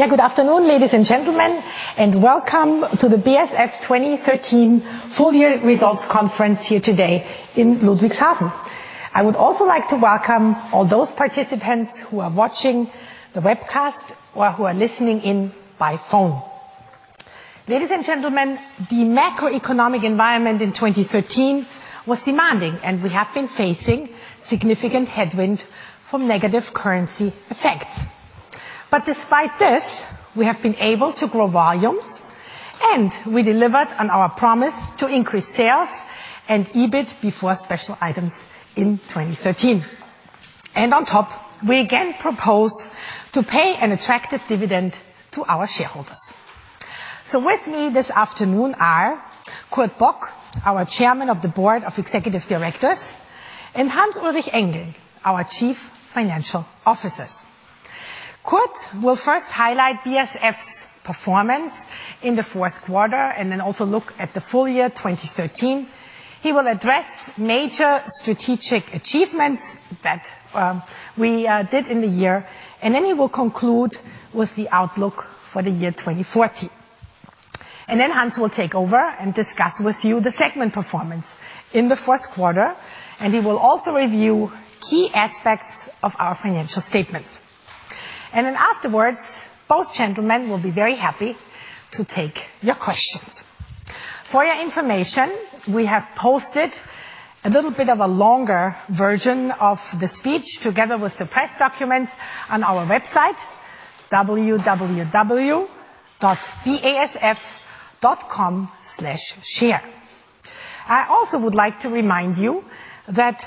Yeah, good afternoon, ladies and gentlemen, and welcome to the BASF 2013 full year results conference here today in Ludwigshafen. I would also like to welcome all those participants who are watching the webcast or who are listening in by phone. Ladies and gentlemen, the macroeconomic environment in 2013 was demanding, and we have been facing significant headwind from negative currency effects. Despite this, we have been able to grow volumes, and we delivered on our promise to increase sales and EBIT before special items in 2013. On top, we again propose to pay an attractive dividend to our shareholders. With me this afternoon are Kurt Bock, our Chairman of the Board of Executive Directors, and Hans-Ulrich Engel, our Chief Financial Officer. Kurt will first highlight BASF's performance in the fourth quarter and then also look at the full year 2013. He will address major strategic achievements that we did in the year, and then he will conclude with the outlook for the year 2014. Hans will take over and discuss with you the segment performance in the fourth quarter, and he will also review key aspects of our financial statement. Afterwards, both gentlemen will be very happy to take your questions. For your information, we have posted a little bit of a longer version of the speech, together with the press documents, on our website, www.basf.com/share. I also would like to remind you that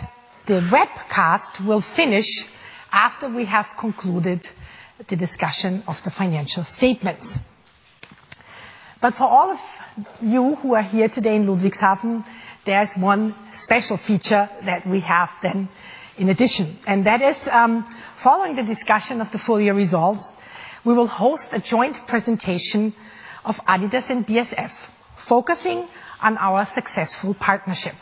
the webcast will finish after we have concluded the discussion of the financial statements. For all of you who are here today in Ludwigshafen, there is one special feature that we have then in addition, and that is, following the discussion of the full year results, we will host a joint presentation of Adidas and BASF focusing on our successful partnership.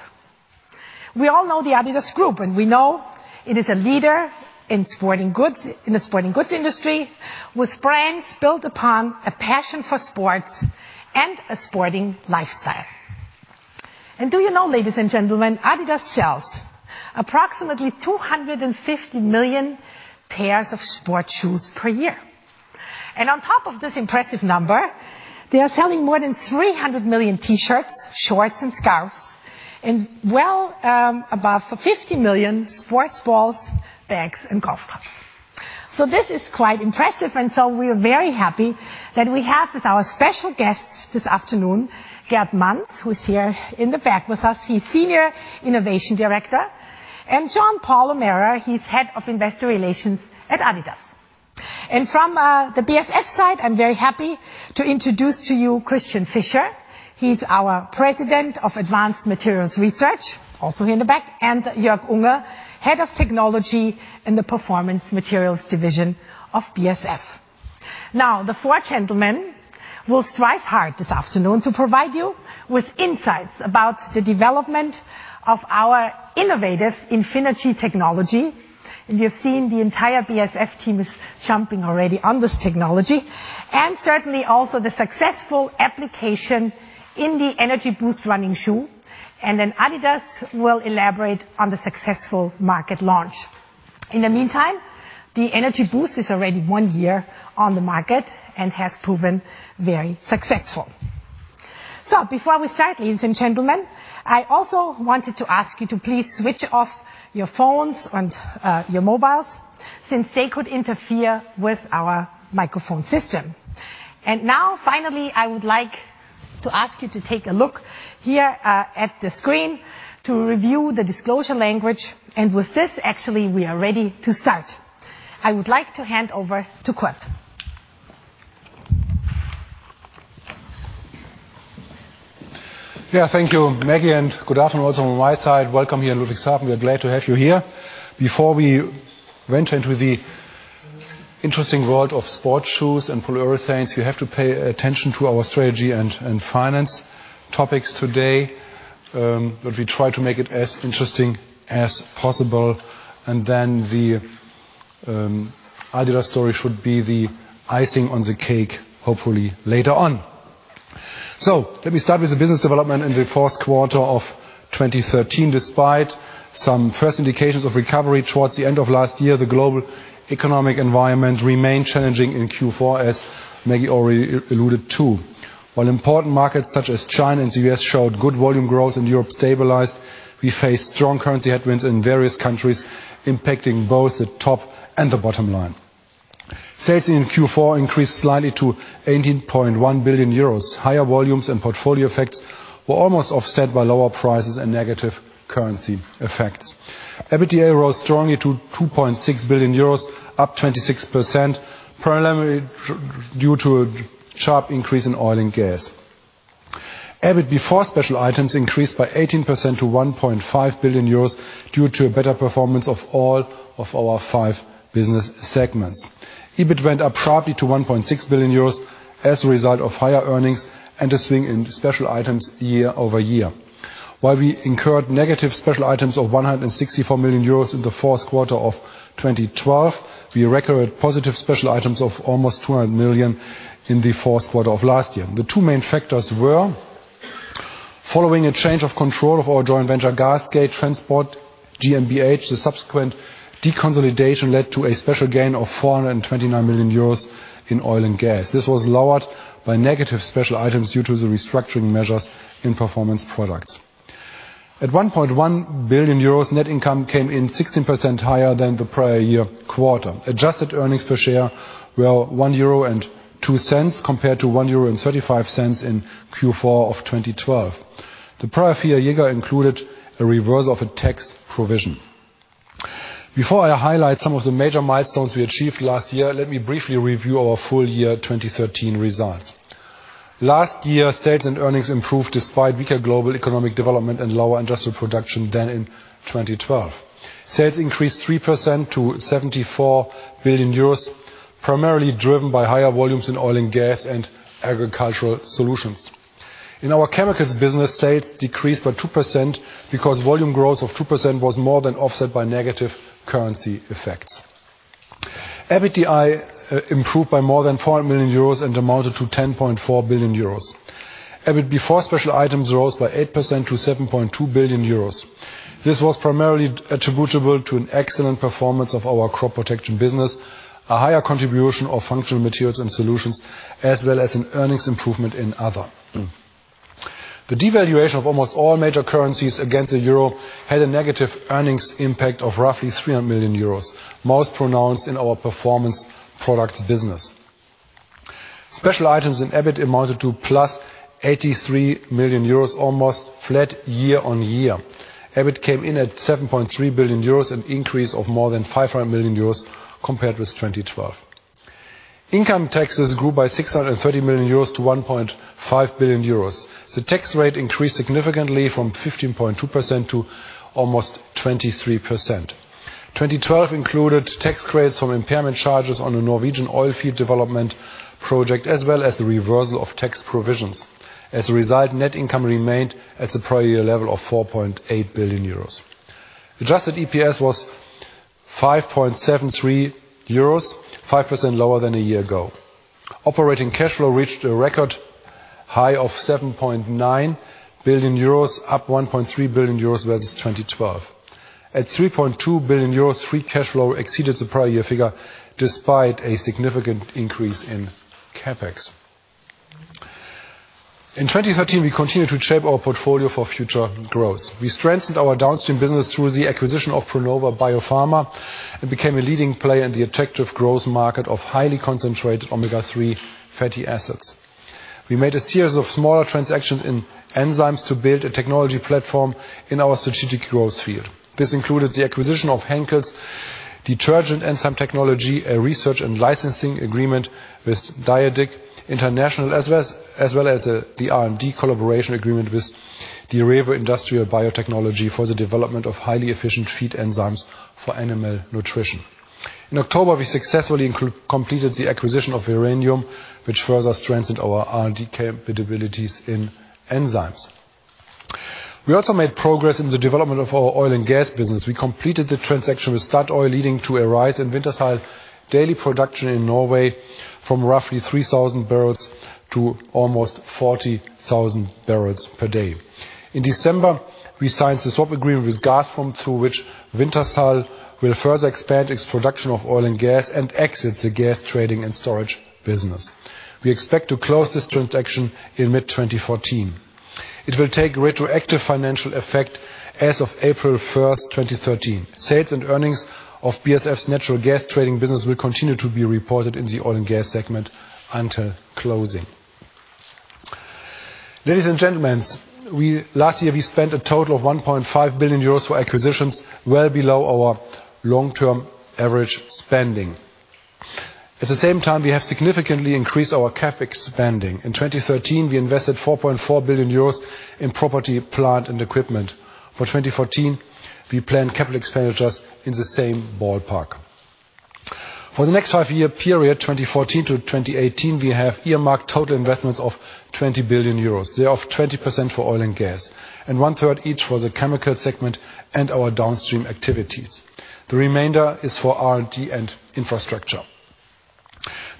We all know the Adidas Group, and we know it is a leader in sporting goods in the sporting goods industry with brands built upon a passion for sports and a sporting lifestyle. Do you know, ladies and gentlemen, Adidas sells approximately 250 million pairs of sports shoes per year. On top of this impressive number, they are selling more than 300 million T-shirts, shorts, and scarves, and, well, above 50 million sports balls, bags, and golf clubs. This is quite impressive, and we're very happy that we have with our special guests this afternoon, Gerd Manz, who is here in the back with us. He's Senior Innovation Director. Jean-Paul O'Meara, he's Head of Investor Relations at Adidas. From the BASF side, I'm very happy to introduce to you Christian Fischer. He's our President of Advanced Materials Research, also here in the back, and Jörg Unge, Head of Technology in the Performance Materials Division of BASF. The four gentlemen will strive hard this afternoon to provide you with insights about the development of our innovative Infinergy technology. You've seen the entire BASF team is jumping already on this technology, and certainly also the successful application in the Energy Boost running shoe. Then Adidas will elaborate on the successful market launch. In the meantime, the Energy Boost is already one year on the market and has proven very successful. Before we start, ladies and gentlemen, I also wanted to ask you to please switch off your phones and your mobiles, since they could interfere with our microphone system. Now, finally, I would like to ask you to take a look here at the screen to review the disclosure language. With this, actually, we are ready to start. I would like to hand over to Kurt. Yeah, thank you, Maggie, and good afternoon also on my side. Welcome here in Ludwigshafen. We are glad to have you here. Before we went into the interesting world of sports shoes and polyurethanes, you have to pay attention to our strategy and finance topics today, but we try to make it as interesting as possible. The Adidas story should be the icing on the cake, hopefully later on. Let me start with the business development in the fourth quarter of 2013. Despite some first indications of recovery towards the end of last year, the global economic environment remained challenging in Q4, as Maggie already alluded to. While important markets such as China and the U.S. showed good volume growth and Europe stabilized, we faced strong currency headwinds in various countries, impacting both the top and the bottom line. Sales in Q4 increased slightly to 18.1 billion euros. Higher volumes and portfolio effects were almost offset by lower prices and negative currency effects. EBITDA rose strongly to 2.6 billion euros, up 26%, primarily due to a sharp increase in oil and gas. EBIT before special items increased by 18% to 1.5 billion euros due to a better performance of all of our five business segments. EBIT went up sharply to 1.6 billion euros as a result of higher earnings and a swing in special items year-over-year. While we incurred negative special items of 164 million euros in the fourth quarter of 2012, we recorded positive special items of almost 200 million in the fourth quarter of last year. The two main factors were, following a change of control of our joint venture, GASCADE Gastransport GmbH, the subsequent deconsolidation led to a special gain of 429 million euros in oil and gas. This was lowered by negative special items due to the restructuring measures in Performance Products. 1.1 billion euros, net income came in 16% higher than the prior year quarter. Adjusted earnings per share were 1.02 euro compared to 1.35 euro in Q4 of 2012. The prior year figure included a reversal of a tax provision. Before I highlight some of the major milestones we achieved last year, let me briefly review our full year 2013 results. Last year, sales and earnings improved despite weaker global economic development and lower industrial production than in 2012. Sales increased 3% to 74 billion euros, primarily driven by higher volumes in oil and gas and Agricultural Solutions. In our chemicals business, sales decreased by 2% because volume growth of 2% was more than offset by negative currency effects. EBITDA improved by more than 4 million euros and amounted to 10.4 billion euros. EBIT before special items rose by 8% to 7.2 billion euros. This was primarily attributable to an excellent performance of our Crop Protection business, a higher contribution of Functional Materials and Solutions, as well as an earnings improvement in Other. The devaluation of almost all major currencies against the euro had a negative earnings impact of roughly 300 million euros, most pronounced in our Performance Products business. Special items in EBIT amounted to +83 million euros, almost flat year-over-year. EBIT came in at 7.3 billion euros, an increase of more than 500 million euros compared with 2012. Income taxes grew by 630 million-1.5 billion euros. The tax rate increased significantly from 15.2% to almost 23%. 2012 included tax credits from impairment charges on a Norwegian oil field development project, as well as the reversal of tax provisions. As a result, net income remained at the prior year level of 4.8 billion euros. Adjusted EPS was 5.73 euros, 5% lower than a year ago. Operating cash flow reached a record high of 7.9 billion euros, up 1.3 billion euros versus 2012. At 3.2 billion euros, free cash flow exceeded the prior year figure despite a significant increase in CapEx. In 2013, we continued to shape our portfolio for future growth. We strengthened our downstream business through the acquisition of Pronova BioPharma and became a leading player in the attractive growth market of highly concentrated Omega-3 fatty acids. We made a series of smaller transactions in enzymes to build a technology platform in our strategic growth field. This included the acquisition of Henkel's detergent enzyme technology, a research and licensing agreement with Direvo Industrial Biotechnology, as well as the R&D collaboration agreement with Direvo Industrial Biotechnology for the development of highly efficient feed enzymes for animal nutrition. In October, we successfully completed the acquisition of Verenium, which further strengthened our R&D capabilities in enzymes. We also made progress in the development of our oil and gas business. We completed the transaction with Statoil, leading to a rise in Wintershall's daily production in Norway from roughly 3,000 barrels to almost 40,000 barrels per day. In December, we signed the swap agreement with Gazprom, through which Wintershall will further expand its production of oil and gas and exit the gas trading and storage business. We expect to close this transaction in mid-2014. It will take retroactive financial effect as of April 1, 2013. Sales and earnings of BASF's natural gas trading business will continue to be reported in the oil and gas segment until closing. Ladies and gentlemen, last year we spent a total of 1.5 billion euros for acquisitions, well below our long-term average spending. At the same time, we have significantly increased our CapEx spending. In 2013, we invested 4.4 billion euros in property, plant, and equipment. For 2014, we plan capital expenditures in the same ballpark. For the next five-year period, 2014 to 2018, we have earmarked total investments of 20 billion euros. They are 20% for oil and gas, and 1/3 each for the chemicals segment and our downstream activities. The remainder is for R&D and infrastructure.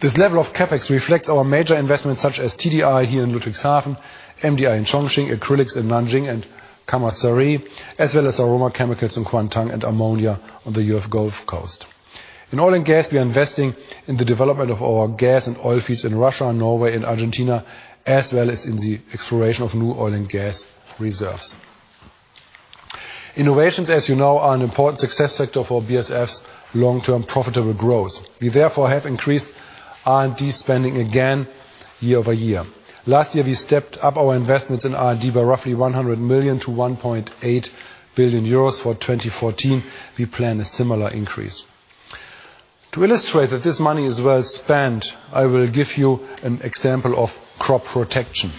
This level of CapEx reflects our major investments such as TDI here in Ludwigshafen, MDI in Chongqing, Acrylics in Nanjing and Kamarsari, as well as Aroma Chemicals in Guangdong and Ammonia on the UF Gulf Coast. In oil and gas, we are investing in the development of our gas and oil fields in Russia and Norway and Argentina, as well as in the exploration of new oil and gas reserves. Innovations, as you know, are an important success factor for BASF's long-term profitable growth. We therefore have increased R&D spending again year over year. Last year, we stepped up our investments in R&D by roughly 100 million-1.8 billion euros. For 2014, we plan a similar increase. To illustrate that this money is well spent, I will give you an example of crop protection.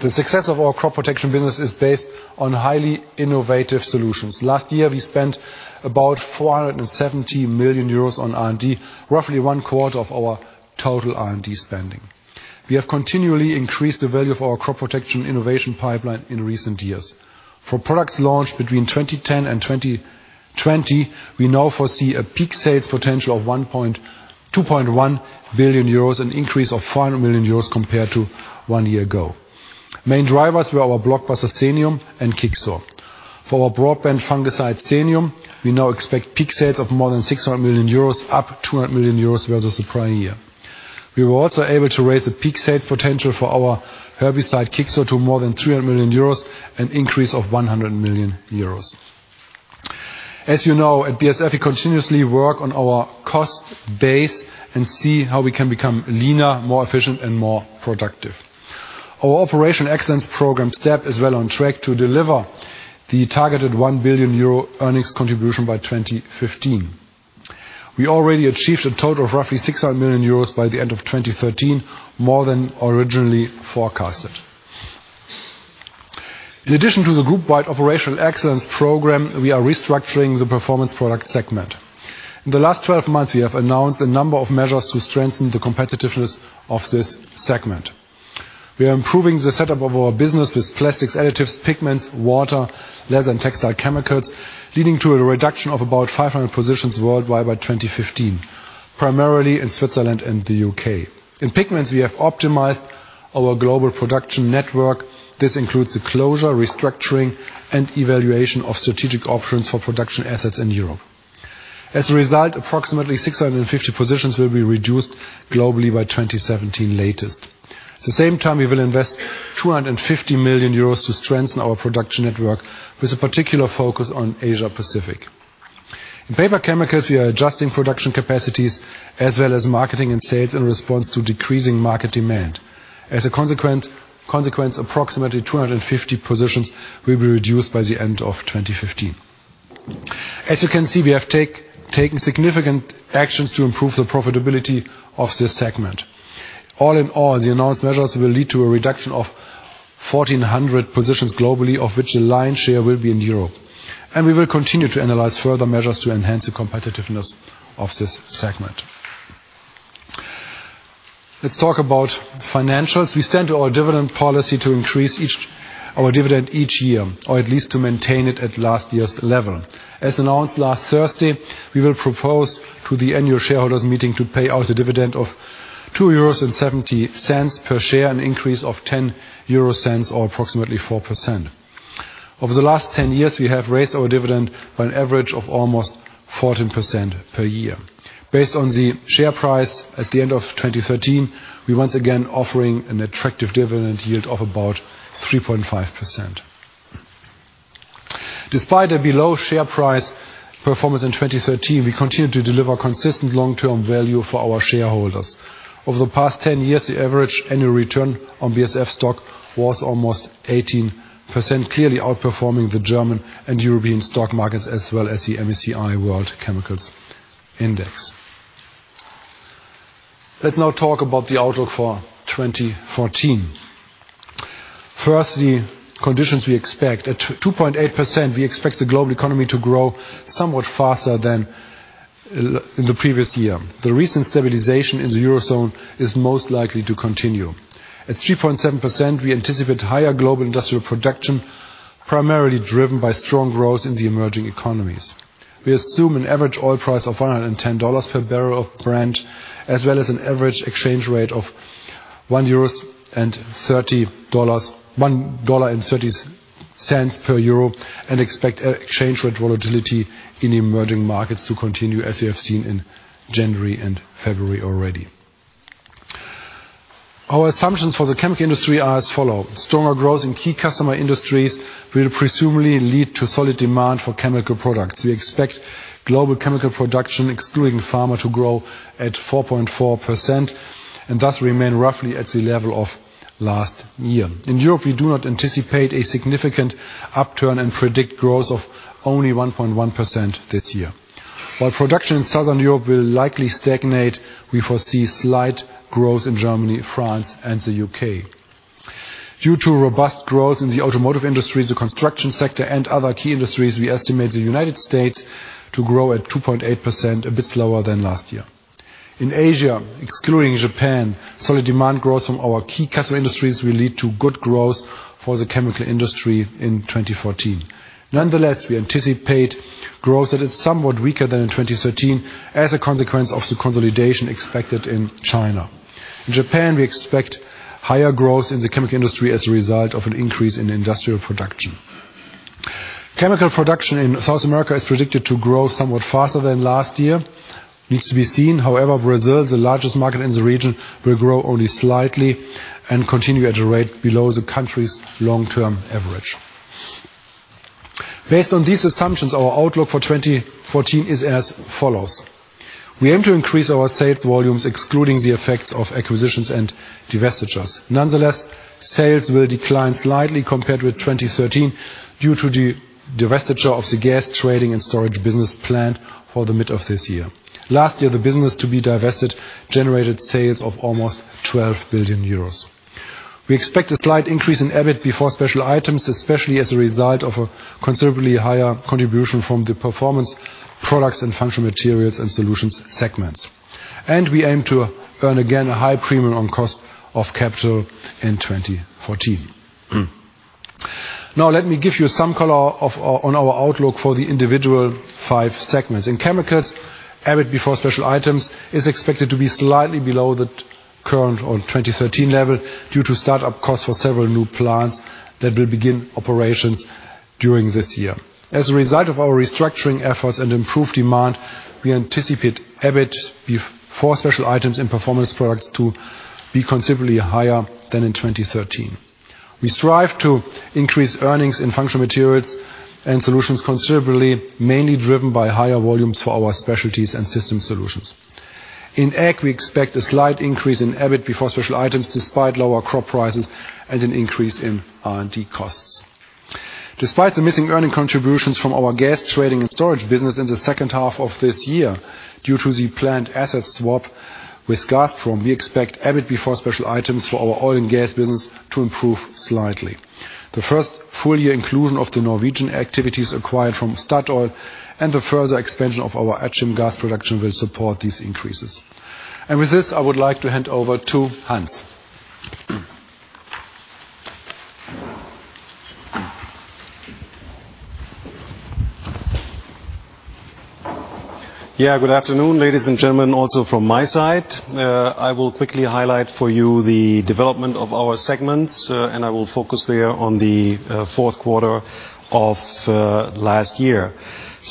The success of our crop protection business is based on highly innovative solutions. Last year, we spent about 470 million euros on R&D, roughly one quarter of our total R&D spending. We have continually increased the value of our crop protection innovation pipeline in recent years. For products launched between 2010 and 2020, we now foresee a peak sales potential of 2.1 billion euros, an increase of 400 million euros compared to one year ago. Main drivers were our blockbusters, Xemium and Kixor. For our broadband fungicide, Xemium, we now expect peak sales of more than 600 million euros, up 200 million euros versus the prior year. We were also able to raise the peak sales potential for our herbicide, Kixor, to more than 300 million euros, an increase of 100 million euros. As you know, at BASF, we continuously work on our cost base and see how we can become leaner, more efficient, and more productive. Our Operational Excellence program, STEP, is well on track to deliver the targeted 1 billion euro earnings contribution by 2015. We already achieved a total of roughly 600 million euros by the end of 2013, more than originally forecasted. In addition to the group-wide Operational Excellence program, we are restructuring the Performance Products segment. In the last 12 months, we have announced a number of measures to strengthen the competitiveness of this segment. We are improving the setup of our business with plastics, additives, pigments, water, leather, and textile chemicals, leading to a reduction of about 500 positions worldwide by 2015, primarily in Switzerland and the U.K. In pigments, we have optimized our global production network. This includes the closure, restructuring, and evaluation of strategic options for production assets in Europe. As a result, approximately 650 positions will be reduced globally by 2017 latest. At the same time, we will invest 250 million euros to strengthen our production network with a particular focus on Asia-Pacific. In paper chemicals, we are adjusting production capacities as well as marketing and sales in response to decreasing market demand. As a consequence, approximately 250 positions will be reduced by the end of 2015. As you can see, we have taken significant actions to improve the profitability of this segment. All in all, the announced measures will lead to a reduction of 1,400 positions globally, of which the lion's share will be in Europe. We will continue to analyze further measures to enhance the competitiveness of this segment. Let's talk about financials. We stand by our dividend policy to increase our dividend each year or at least to maintain it at last year's level. As announced last Thursday, we will propose to the annual shareholders meeting to pay out a dividend of 2.70 euros per share, an increase of 0.10 or approximately 4%. Over the last 10 years, we have raised our dividend by an average of almost 14% per year. Based on the share price at the end of 2013, we are once again offering an attractive dividend yield of about 3.5%. Despite a below share price performance in 2013, we continued to deliver consistent long-term value for our shareholders. Over the past 10 years, the average annual return on BASF stock was almost 18%, clearly outperforming the German and European stock markets as well as the MSCI World Chemicals Index. Let's now talk about the outlook for 2014. First, the conditions we expect. At 2.8%, we expect the global economy to grow somewhat faster than in the previous year. The recent stabilization in the Eurozone is most likely to continue. At 3.7%, we anticipate higher global industrial production, primarily driven by strong growth in the emerging economies. We assume an average oil price of $110 per barrel of Brent, as well as an average exchange rate of $1.30 per euro, and expect exchange rate volatility in emerging markets to continue as we have seen in January and February already. Our assumptions for the chemical industry are as follow. Stronger growth in key customer industries will presumably lead to solid demand for chemical products. We expect global chemical production, excluding pharma, to grow at 4.4% and thus remain roughly at the level of last year. In Europe, we do not anticipate a significant upturn and predict growth of only 1.1% this year. While production in Southern Europe will likely stagnate, we foresee slight growth in Germany, France, and the U.K. Due to robust growth in the automotive industry, the construction sector, and other key industries, we estimate the United States to grow at 2.8%, a bit slower than last year. In Asia, excluding Japan, solid demand growth from our key customer industries will lead to good growth for the chemical industry in 2014. Nonetheless, we anticipate growth that is somewhat weaker than in 2013 as a consequence of the consolidation expected in China. In Japan, we expect higher growth in the chemical industry as a result of an increase in industrial production. Chemical production in South America is predicted to grow somewhat faster than last year. Needs to be seen, however, Brazil, the largest market in the region, will grow only slightly and continue at a rate below the country's long-term average. Based on these assumptions, our outlook for 2014 is as follows. We aim to increase our sales volumes, excluding the effects of acquisitions and divestitures. Nonetheless, sales will decline slightly compared with 2013 due to the divestiture of the gas trading and storage business planned for the mid of this year. Last year, the business to be divested generated sales of almost 12 billion euros. We expect a slight increase in EBIT before special items, especially as a result of a considerably higher contribution from the Performance Products and Functional Materials and Solutions segments. We aim to earn again a high premium on cost of capital in 2014. Now let me give you some color on our outlook for the individual five segments. In Chemicals, EBIT before special items is expected to be slightly below the 2013 level due to start-up costs for several new plants that will begin operations during this year. As a result of our restructuring efforts and improved demand, we anticipate EBIT before special items in Performance Products to be considerably higher than in 2013. We strive to increase earnings in Functional Materials and Solutions considerably, mainly driven by higher volumes for our specialties and system solutions. In Ag, we expect a slight increase in EBIT before special items despite lower crop prices and an increase in R&D costs. Despite the missing earning contributions from our gas trading and storage business in the second half of this year, due to the planned asset swap with Gazprom, we expect EBIT before special items for our oil and gas business to improve slightly. The first full year inclusion of the Norwegian activities acquired from Statoil and the further expansion of our Achim gas production will support these increases. With this, I would like to hand over to Hans. Good afternoon, ladies and gentlemen. Also from my side, I will quickly highlight for you the development of our segments. I will focus there on the fourth quarter of last year.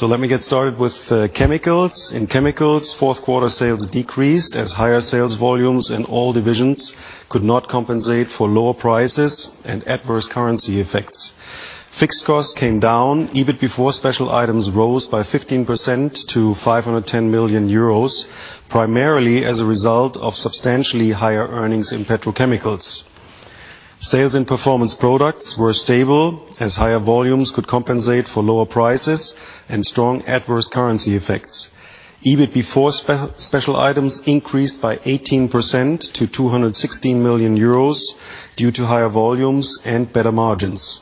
Let me get started with chemicals. In chemicals, fourth quarter sales decreased as higher sales volumes in all divisions could not compensate for lower prices and adverse currency effects. Fixed costs came down. EBIT before special items rose by 15% to 510 million euros, primarily as a result of substantially higher earnings in petrochemicals. Performance Products were stable as higher volumes could compensate for lower prices and strong adverse currency effects. EBIT before special items increased by 18% to 216 million euros due to higher volumes and better margins.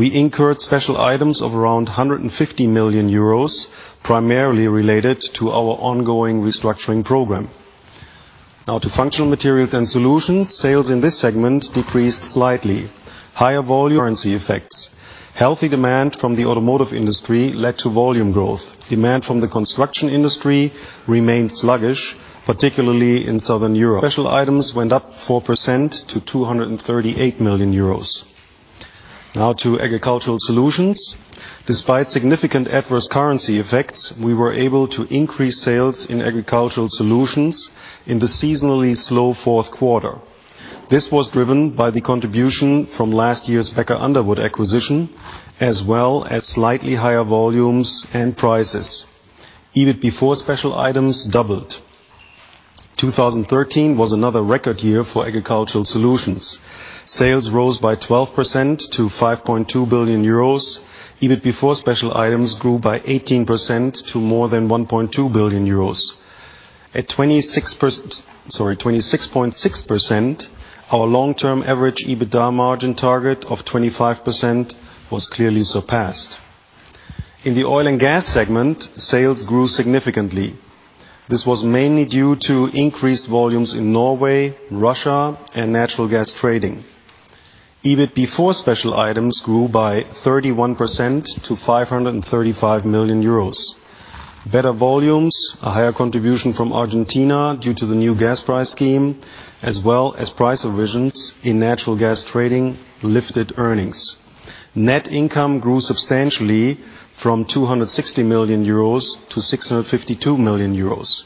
We incurred special items of around 150 million euros, primarily related to our ongoing restructuring program. Now to Functional Materials and Solutions. Sales in this segment decreased slightly. Higher volumes, currency effects. Healthy demand from the automotive industry led to volume growth. Demand from the construction industry remained sluggish, particularly in Southern Europe. Special items went up 4% to 238 million euros. Now to Agricultural Solutions. Despite significant adverse currency effects, we were able to increase sales in Agricultural Solutions in the seasonally slow fourth quarter. This was driven by the contribution from last year's Becker Underwood acquisition, as well as slightly higher volumes and prices. EBIT before special items doubled. 2013 was another record year for Agricultural Solutions. Sales rose by 12% to 5.2 billion euros. EBIT before special items grew by 18% to more than 1.2 billion euros. At 26.6%, our long-term average EBITDA margin target of 25% was clearly surpassed. In the oil and gas segment, sales grew significantly. This was mainly due to increased volumes in Norway, Russia and natural gas trading. EBIT before special items grew by 31% to 535 million euros. Better volumes, a higher contribution from Argentina due to the new gas price scheme, as well as price revisions in natural gas trading lifted earnings. Net income grew substantially from 260 million-652 million euros.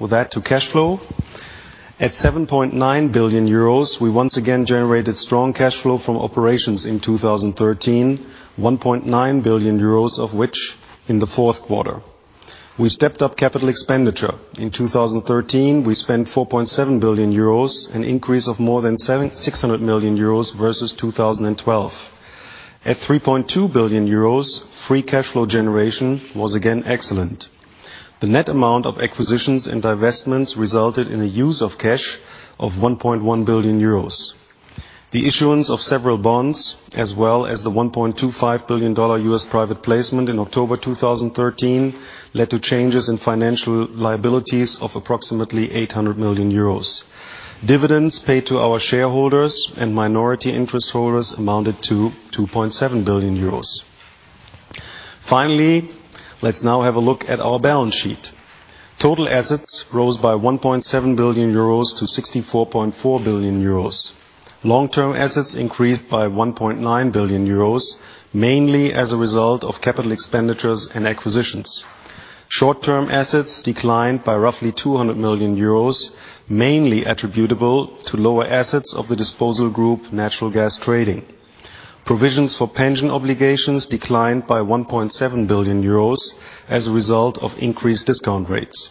With that to cash flow. At 7.9 billion euros, we once again generated strong cash flow from operations in 2013. 1.9 billion euros of which in the fourth quarter. We stepped up capital expenditure. In 2013, we spent 4.7 billion euros, an increase of more than 700 million euros versus 2012. At 3.2 billion euros, free cash flow generation was again excellent. The net amount of acquisitions and divestments resulted in a use of cash of 1.1 billion euros. The issuance of several bonds, as well as the $1.25 billion U.S. private placement in October 2013, led to changes in financial liabilities of approximately 800 million euros. Dividends paid to our shareholders and minority interest holders amounted to 2.7 billion euros. Finally, let's now have a look at our balance sheet. Total assets rose by 1.7 billion-64.4 billion euros. Long-term assets increased by 1.9 billion euros, mainly as a result of capital expenditures and acquisitions. Short-term assets declined by roughly 200 million euros, mainly attributable to lower assets of the disposal group Natural Gas Trading. Provisions for pension obligations declined by 1.7 billion euros as a result of increased discount rates.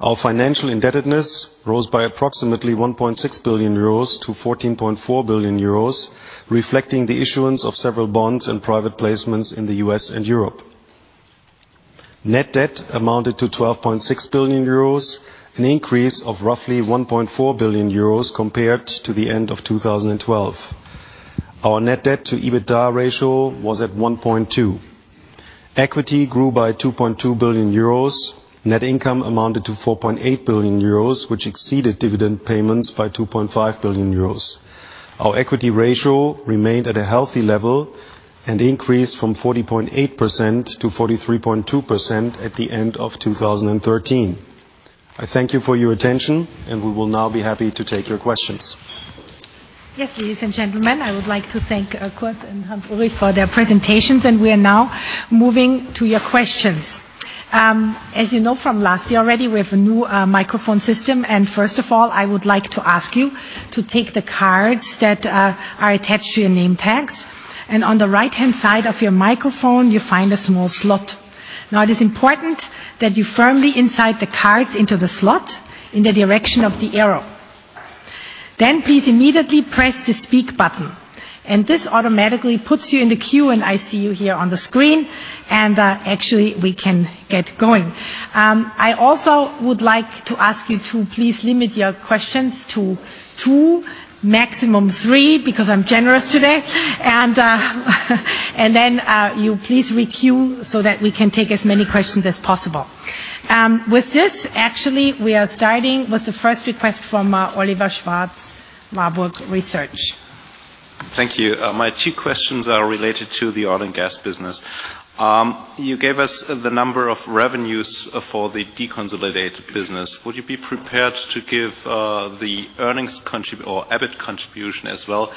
Our financial indebtedness rose by approximately 1.6 billion-14.4 billion euros, reflecting the issuance of several bonds and private placements in the U.S. and Europe. Net debt amounted to 12.6 billion euros, an increase of roughly 1.4 billion euros compared to the end of 2012. Our net debt to EBITDA ratio was at 1.2. Equity grew by 2.2 billion euros. Net income amounted to 4.8 billion euros, which exceeded dividend payments by 2.5 billion euros. Our equity ratio remained at a healthy level and increased from 40.8%-43.2% at the end of 2013. I thank you for your attention, and we will now be happy to take your questions. Yes, ladies and gentlemen, I would like to thank Kurt and Hans-Ulrich for their presentations, and we are now moving to your questions. As you know from last year already, we have a new microphone system, and first of all, I would like to ask you to take the cards that are attached to your name tags, and on the right-hand side of your microphone, you find a small slot. Now it is important that you firmly insert the cards into the slot in the direction of the arrow. Then please immediately press the speak button. This automatically puts you in the queue, and I see you here on the screen, and actually, we can get going. I also would like to ask you to please limit your questions to two, maximum three, because I'm generous today. Then you please re-queue so that we can take as many questions as possible. With this, actually, we are starting with the first request from Oliver Schwarz, Warburg Research. Thank you. My two questions are related to the oil and gas business. You gave us the number of revenues for the deconsolidated business. Would you be prepared to give the earnings or EBIT contribution as well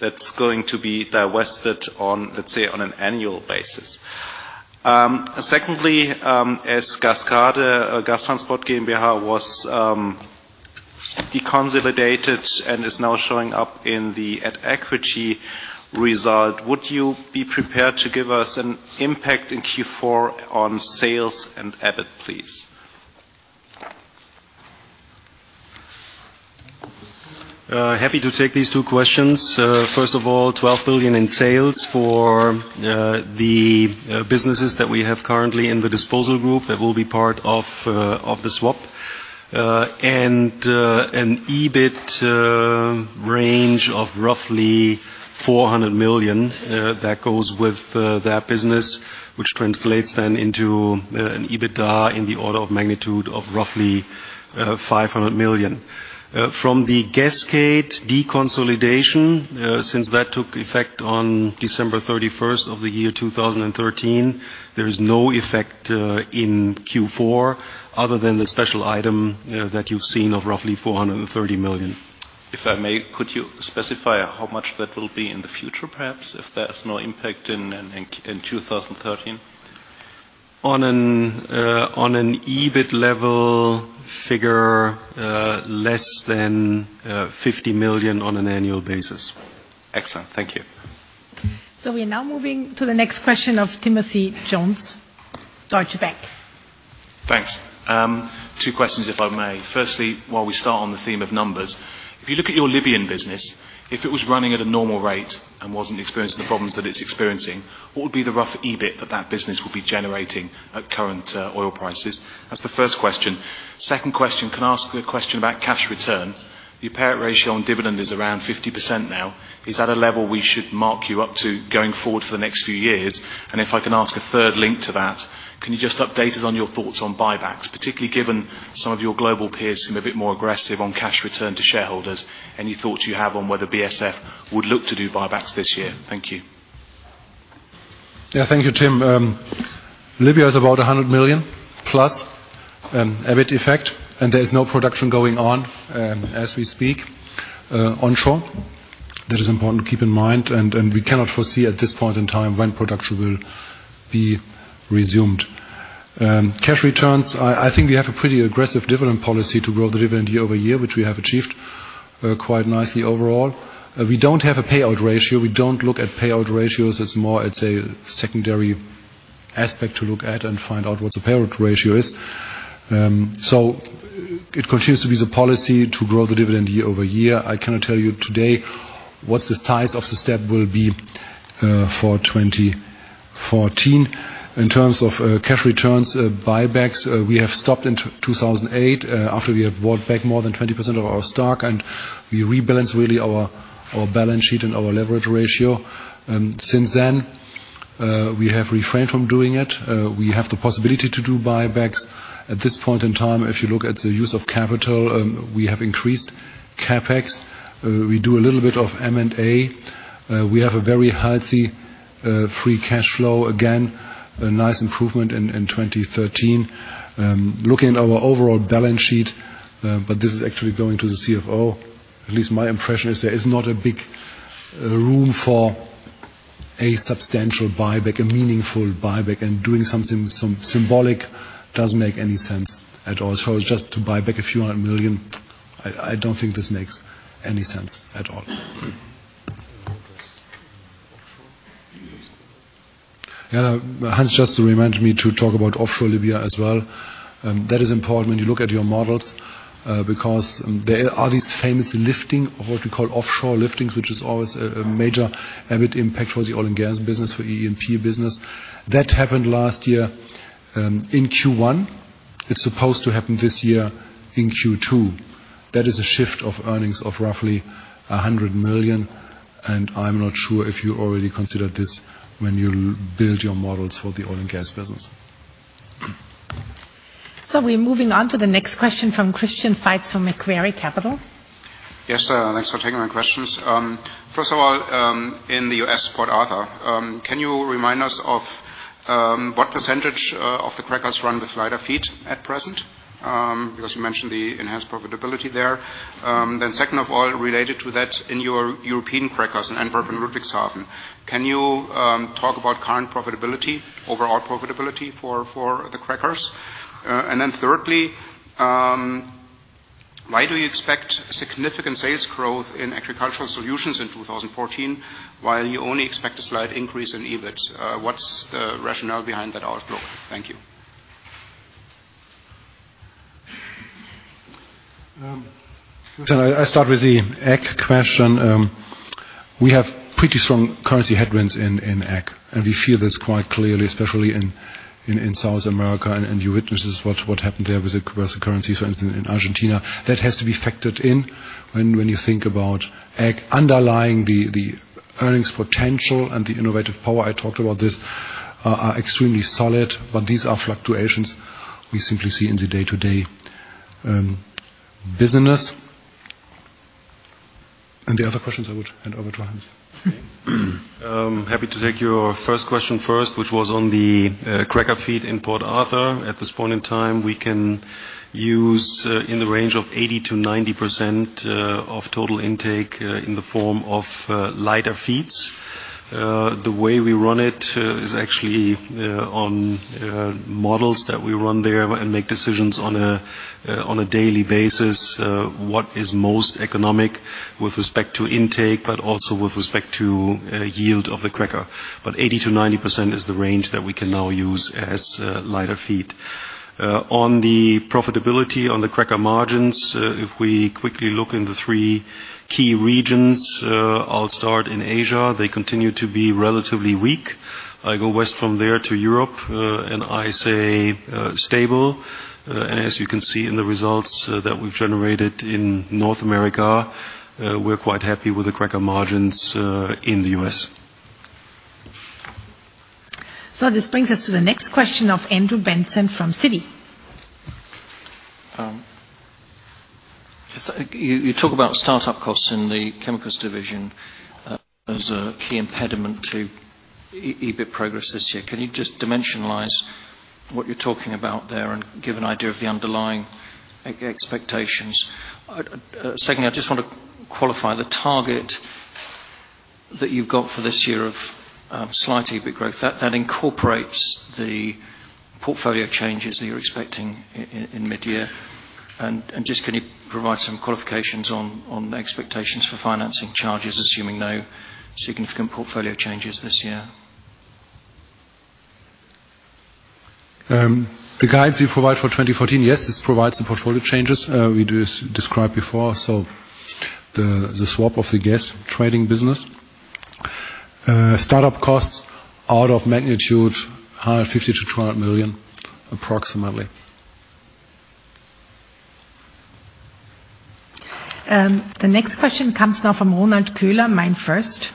that's going to be divested on, let's say, on an annual basis? Secondly, as GASCADE Gastransport GmbH was deconsolidated and is now showing up in the at equity result, would you be prepared to give us an impact in Q4 on sales and EBIT, please? Happy to take these two questions. First of all, 12 billion in sales for the businesses that we have currently in the disposal group that will be part of the swap. An EBIT range of roughly 400 million that goes with that business, which translates then into an EBITDA in the order of magnitude of roughly 500 million. From the Gascade deconsolidation, since that took effect on December 31, 2013, there is no effect in Q4 other than the special item that you've seen of roughly 430 million. If I may, could you specify how much that will be in the future, perhaps, if there's no impact in 2013? On an EBIT level figure, less than 50 million on an annual basis. Excellent. Thank you. We are now moving to the next question of Tim Jones, Deutsche Bank. Thanks. Two questions, if I may. Firstly, while we start on the theme of numbers, if you look at your Libyan business, if it was running at a normal rate and wasn't experiencing the problems that it's experiencing, what would be the rough EBIT that that business would be generating at current oil prices? That's the first question. Second question, can I ask you a question about cash return? Your payout ratio on dividend is around 50% now. Is that a level we should mark you up to going forward for the next few years? If I can ask a third link to that, can you just update us on your thoughts on buybacks, particularly given some of your global peers seem a bit more aggressive on cash return to shareholders. Any thoughts you have on whether BASF would look to do buybacks this year? Thank you. Yeah, thank you, Tim. Libya is about 100 million+ EBIT effect, and there is no production going on as we speak onshore. That is important to keep in mind, and we cannot foresee at this point in time when production will be resumed. Cash returns, I think we have a pretty aggressive dividend policy to grow the dividend year-over-year, which we have achieved quite nicely overall. We don't have a payout ratio. We don't look at payout ratios. It's more, I'd say, secondary aspect to look at and find out what the payout ratio is. It continues to be the policy to grow the dividend year-over-year. I cannot tell you today what the size of the step will be for 2014. In terms of cash returns, buybacks, we have stopped in 2008, after we have bought back more than 20% of our stock, and we rebalance really our balance sheet and our leverage ratio. Since then, we have refrained from doing it. We have the possibility to do buybacks. At this point in time, if you look at the use of capital, we have increased CapEx. We do a little bit of M&A. We have a very healthy free cash flow. Again, a nice improvement in 2013. Looking at our overall balance sheet. This is actually going to the CFO, at least my impression is there is not a big room for a substantial buyback, a meaningful buyback, and doing something some symbolic doesn't make any sense at all. Just to buy back a few hundred million EUR, I don't think this makes any sense at all. Yeah. Hans just reminded me to talk about offshore Libya as well. That is important when you look at your models, because there are these famous lifting or what we call offshore liftings, which is always a major EBIT impact for the oil and gas business, for E&P business. That happened last year in Q1. It's supposed to happen this year in Q2. That is a shift of earnings of roughly 100 million, and I'm not sure if you already considered this when you build your models for the oil and gas business. We're moving on to the next question from Christian Veit from Macquarie Capital. Yes, thanks for taking my questions. First of all, in the U.S., Port Arthur, can you remind us of what percentage of the crackers run with lighter feed at present? Because you mentioned the enhanced profitability there. Second of all, related to that, in your European crackers in Antwerp and Ludwigshafen, can you talk about current profitability, overall profitability for the crackers? Thirdly, why do you expect significant sales growth in agricultural solutions in 2014, while you only expect a slight increase in EBIT? What's the rationale behind that outlook? Thank you. I start with the Ag question. We have pretty strong currency headwinds in Ag, and we feel this quite clearly, especially in South America. You witnessed this, what happened there with the currency, for instance, in Argentina. That has to be factored in when you think about Ag. Underlying the earnings potential and the innovative power, I talked about this, are extremely solid. These are fluctuations we simply see in the day-to-day business. The other questions I would hand over to Hans. Happy to take your first question first, which was on the cracker feed in Port Arthur. At this point in time, we can use in the range of 80%-90% of total intake in the form of lighter feeds. The way we run it is actually on models that we run there and make decisions on a daily basis what is most economic with respect to intake, but also with respect to yield of the cracker. 80%-90% is the range that we can now use as lighter feed. On the profitability on the cracker margins, if we quickly look in the three key regions, I'll start in Asia. They continue to be relatively weak. I go west from there to Europe, and I say, stable. As you can see in the results that we've generated in North America, we're quite happy with the cracker margins in the U.S. This brings us to the next question of Andrew Benson from Citi. You talk about start-up costs in the chemicals division as a key impediment to EBIT progress this year. Can you just dimensionalize what you're talking about there and give an idea of the underlying expectations? Secondly, I just want to qualify the target that you've got for this year of slight EBIT growth. That incorporates the portfolio changes that you're expecting in mid-year. Just can you provide some qualifications on expectations for financing charges, assuming no significant portfolio changes this year? The guides we provide for 2014, this provides the portfolio changes we described before, the swap of the gas trading business. Start-up costs are of magnitude 150 million-200 million approximately. The next question comes now from Ronald Koehler, MainFirst.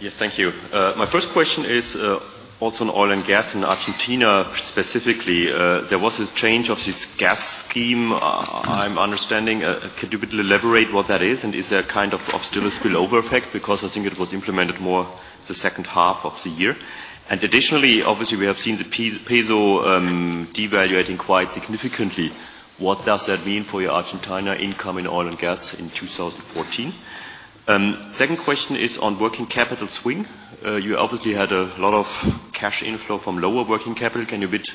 Yes. Thank you. My first question is also on oil and gas in Argentina specifically. There was a change of this gas scheme, as I understand. Could you a bit elaborate what that is? Is there kind of still a spillover effect? Because I think it was implemented in the second half of the year. Additionally, obviously, we have seen the peso devaluing quite significantly. What does that mean for your Argentina income in oil and gas in 2014? Second question is on working capital swing. You obviously had a lot of cash inflow from lower working capital. Can you a bit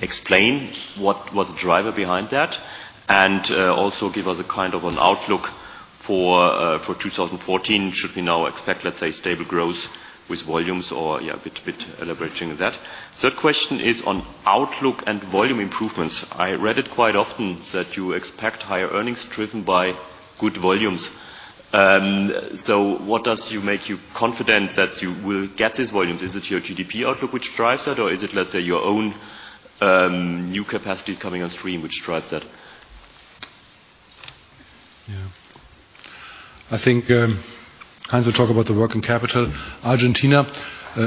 explain what was the driver behind that? Also give us a kind of an outlook for 2014. Should we now expect, let's say, stable growth with volumes or a bit elaborating that? Third question is on outlook and volume improvements. I read it quite often that you expect higher earnings driven by good volumes. So what makes you confident that you will get these volumes? Is it your GDP outlook which drives that? Or is it, let's say, your own new capacities coming on stream which drives that? Yeah. I think Hans will talk about the working capital. Argentina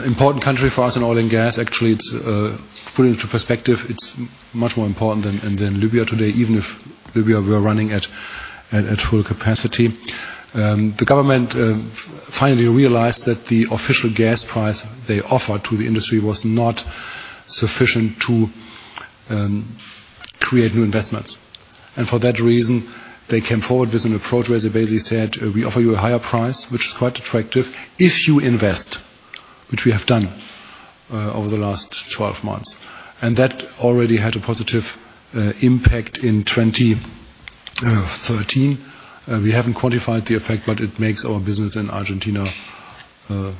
important country for us in oil and gas. Actually, it's put into perspective, it's much more important than Libya today, even if Libya were running at full capacity. The government finally realized that the official gas price they offered to the industry was not sufficient to create new investments. For that reason, they came forward with an approach where they basically said, "We offer you a higher price, which is quite attractive if you invest," which we have done over the last 12 months. That already had a positive impact in 2013. We haven't quantified the effect, but it makes our business in Argentina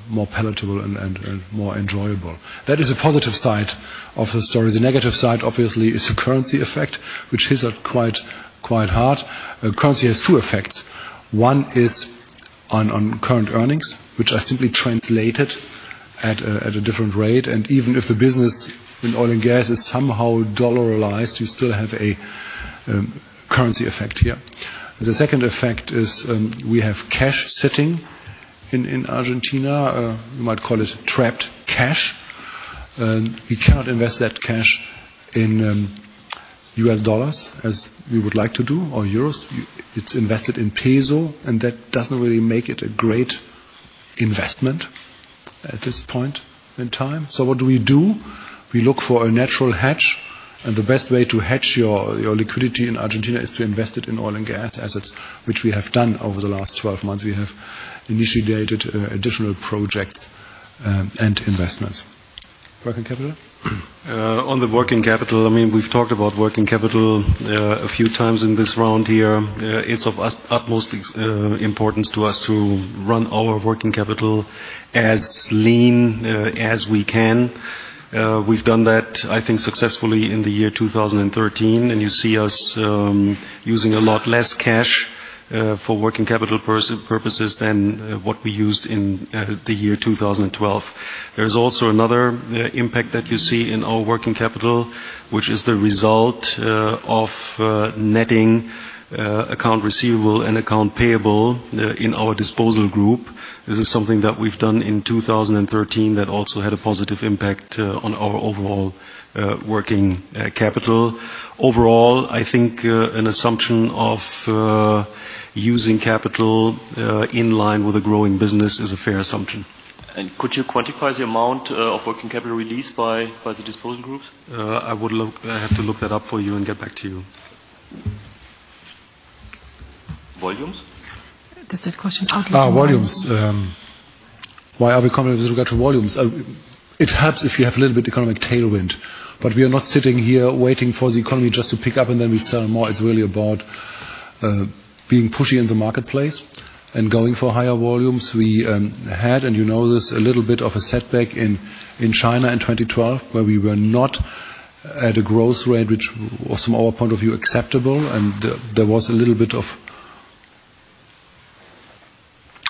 more palatable and more enjoyable. That is a positive side of the story. The negative side, obviously, is the currency effect, which hits us quite hard. Currency has two effects. One is on current earnings, which are simply translated at a different rate. Even if the business in oil and gas is somehow dollarized, you still have a currency effect here. The second effect is, we have cash sitting in Argentina. You might call it trapped cash. We cannot invest that cash in U.S. dollars as we would like to do, or euros. It's invested in peso, and that doesn't really make it a great investment at this point in time. What do we do? We look for a natural hedge, and the best way to hedge your liquidity in Argentina is to invest it in oil and gas assets, which we have done over the last 12 months. We have initiated additional projects and investments. Working capital? On the working capital, I mean, we've talked about working capital a few times in this round here. It's of utmost importance to us to run our working capital as lean as we can. We've done that, I think, successfully in the year 2013, and you see us using a lot less cash for working capital purposes than what we used in the year 2012. There is also another impact that you see in our working capital, which is the result of netting accounts receivable and accounts payable in our disposal group. This is something that we've done in 2013 that also had a positive impact on our overall working capital. Overall, I think an assumption of using capital in line with a growing business is a fair assumption. Could you quantify the amount of working capital released by the disposal groups? I have to look that up for you and get back to you. Volumes? Does that question- Volumes. Why are we confident with regard to volumes? It helps if you have a little bit economic tailwind, but we are not sitting here waiting for the economy just to pick up, and then we sell more. It's really about being pushy in the marketplace and going for higher volumes. We had, and you know this, a little bit of a setback in China in 2012, where we were not at a growth rate which was, from our point of view, acceptable. There was a little bit of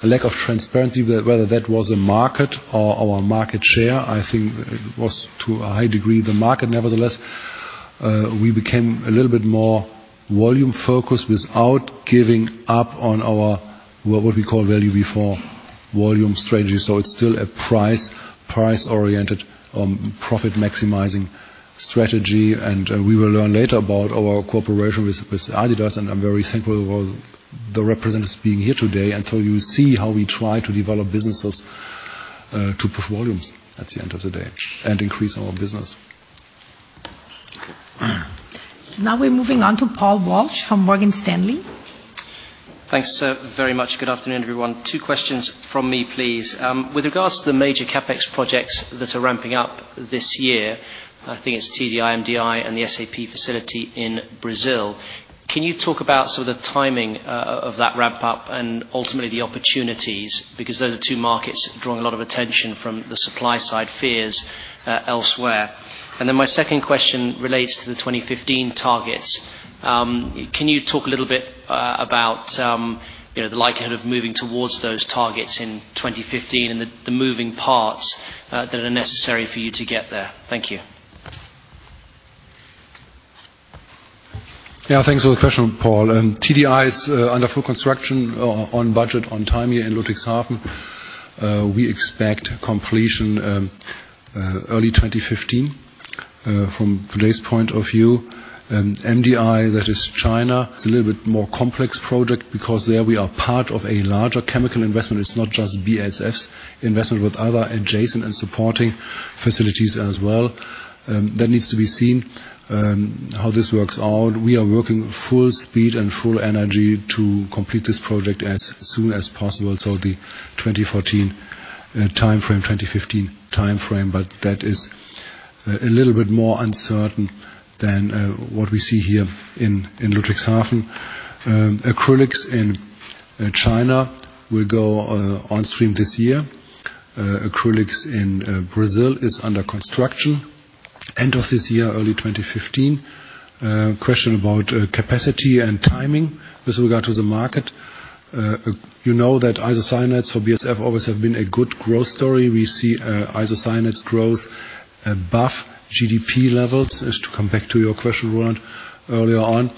a lack of transparency, whether that was a market or our market share. I think it was, to a high degree, the market. Nevertheless, we became a little bit more volume-focused without giving up on our what we call value before volume strategy. It's still a price-oriented, profit-maximizing strategy. We will learn later about our cooperation with Adidas, and I'm very thankful about the representatives being here today, and you see how we try to develop businesses to push volumes at the end of the day and increase our business. Now we're moving on to Paul Walsh from Morgan Stanley. Thanks, very much. Good afternoon, everyone. Two questions from me, please. With regards to the major CapEx projects that are ramping up this year, I think it's TDI, MDI, and the SAP facility in Brazil. Can you talk about some of the timing of that ramp-up and ultimately the opportunities? Because those are two markets drawing a lot of attention from the supply-side fears elsewhere. Then my second question relates to the 2015 targets. Can you talk a little bit about you know, the likelihood of moving towards those targets in 2015 and the moving parts that are necessary for you to get there? Thank you. Yeah. Thanks for the question, Paul. TDI is under full construction, on budget, on time here in Ludwigshafen. We expect completion early 2015, from today's point of view. MDI, that is China, it's a little bit more complex project because there we are part of a larger chemical investment. It's not just BASF's investment with other adjacent and supporting facilities as well. That needs to be seen how this works out. We are working full speed and full energy to complete this project as soon as possible, so the 2014 timeframe, 2015 timeframe. That is a little bit more uncertain than what we see here in Ludwigshafen. Acrylics in China will go on stream this year. Acrylics in Brazil is under construction, end of this year, early 2015. Question about capacity and timing with regard to the market. You know that isocyanates for BASF always have been a good growth story. We see isocyanates growth above GDP levels, as to come back to your question, Roland, earlier on.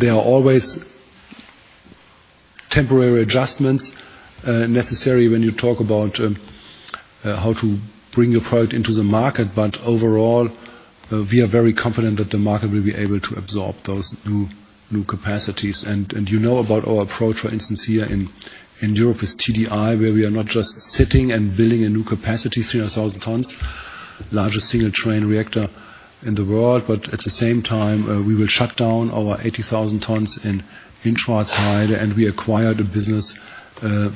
There are always temporary adjustments necessary when you talk about how to bring a product into the market. But overall, we are very confident that the market will be able to absorb those new capacities. You know about our approach, for instance, here in Europe with TDI, where we are not just sitting and building a new capacity, 300,000 tons, largest single train reactor in the world. At the same time, we will shut down our 80,000 tons in Schwarzheide, and we acquired a business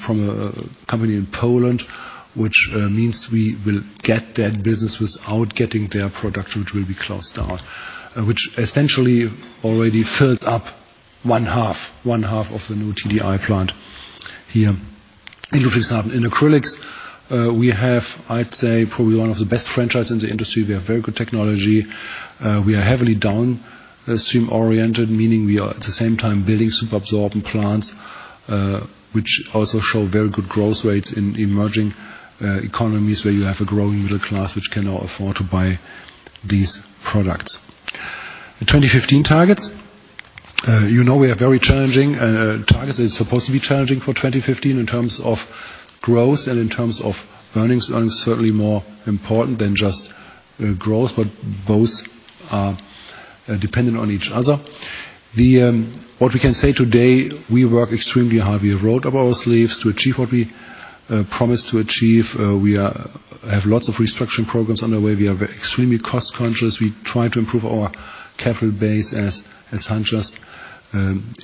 from a company in Poland, which means we will get that business without getting their production, which will be closed out. Which essentially already fills up one half of the new TDI plant here in Ludwigshafen. In acrylics, we have, I'd say, probably one of the best franchises in the industry. We have very good technology. We are heavily downstream-oriented, meaning we are at the same time building super absorbent plants, which also show very good growth rates in emerging economies where you have a growing middle class which cannot afford to buy these products. The 2015 targets, you know, are very challenging targets. It's supposed to be challenging for 2015 in terms of growth and in terms of earnings. Earnings certainly more important than just growth, but both are dependent on each other. What we can say today, we work extremely hard. We have rolled up our sleeves to achieve what we promise to achieve. We have lots of restructuring programs on the way. We are extremely cost-conscious. We try to improve our capital base, as Hans just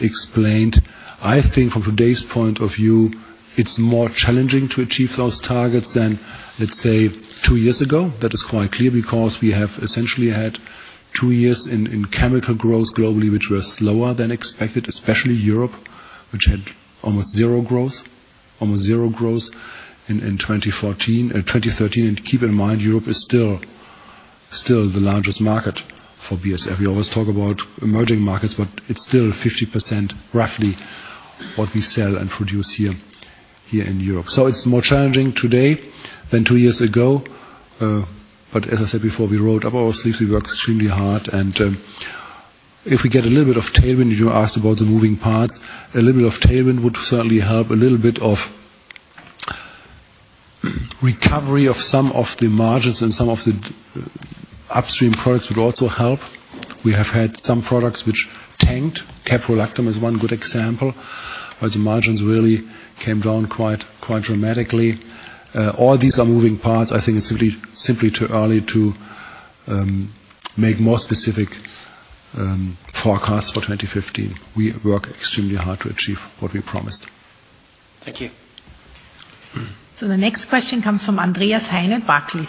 explained. I think from today's point of view, it's more challenging to achieve those targets than, let's say, two years ago. That is quite clear because we have essentially had two years in chemical growth globally, which were slower than expected, especially Europe, which had almost zero growth in 2014. 2013. Keep in mind, Europe is still the largest market for BASF. We always talk about emerging markets, but it's still 50%, roughly, what we sell and produce here in Europe. It's more challenging today than two years ago. As I said before, we rolled up our sleeves. We work extremely hard, and if we get a little bit of tailwind, you asked about the moving parts, a little bit of tailwind would certainly help. A little bit of recovery of some of the margins and some of the upstream products would also help. We have had some products which tanked. Caprolactam is one good example, where the margins really came down quite dramatically. All these are moving parts. I think it's really simply too early to make more specific forecasts for 2015. We work extremely hard to achieve what we promised. Thank you. The next question comes from Andreas Heine, Barclays.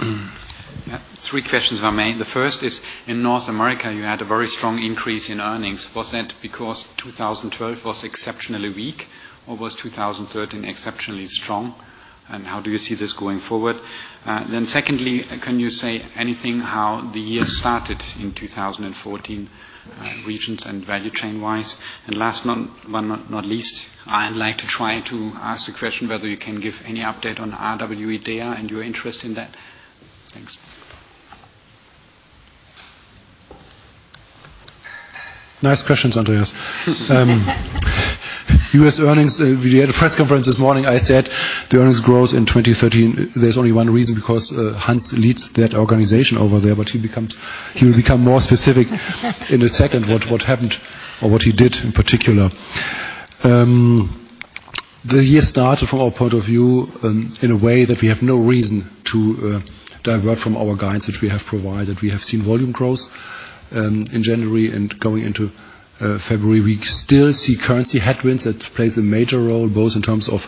Yeah. Three questions if I may. The first is, in North America, you had a very strong increase in earnings. Was that because 2012 was exceptionally weak or was 2013 exceptionally strong? And how do you see this going forward? Then secondly, can you say anything how the year started in 2014, regions and value chain-wise? And last but not least, I'd like to try to ask a question whether you can give any update on RWE Dea and your interest in that. Thanks. Nice questions, Andreas Heine. U.S. earnings. We had a press conference this morning. I said the earnings growth in 2013, there's only one reason, because Hans-Ulrich Engel leads that organization over there, but he will become more specific in a second what happened or what he did in particular. The year started from our point of view in a way that we have no reason to divert from our guides, which we have provided. We have seen volume growth in January and going into February. We still see currency headwinds that plays a major role, both in terms of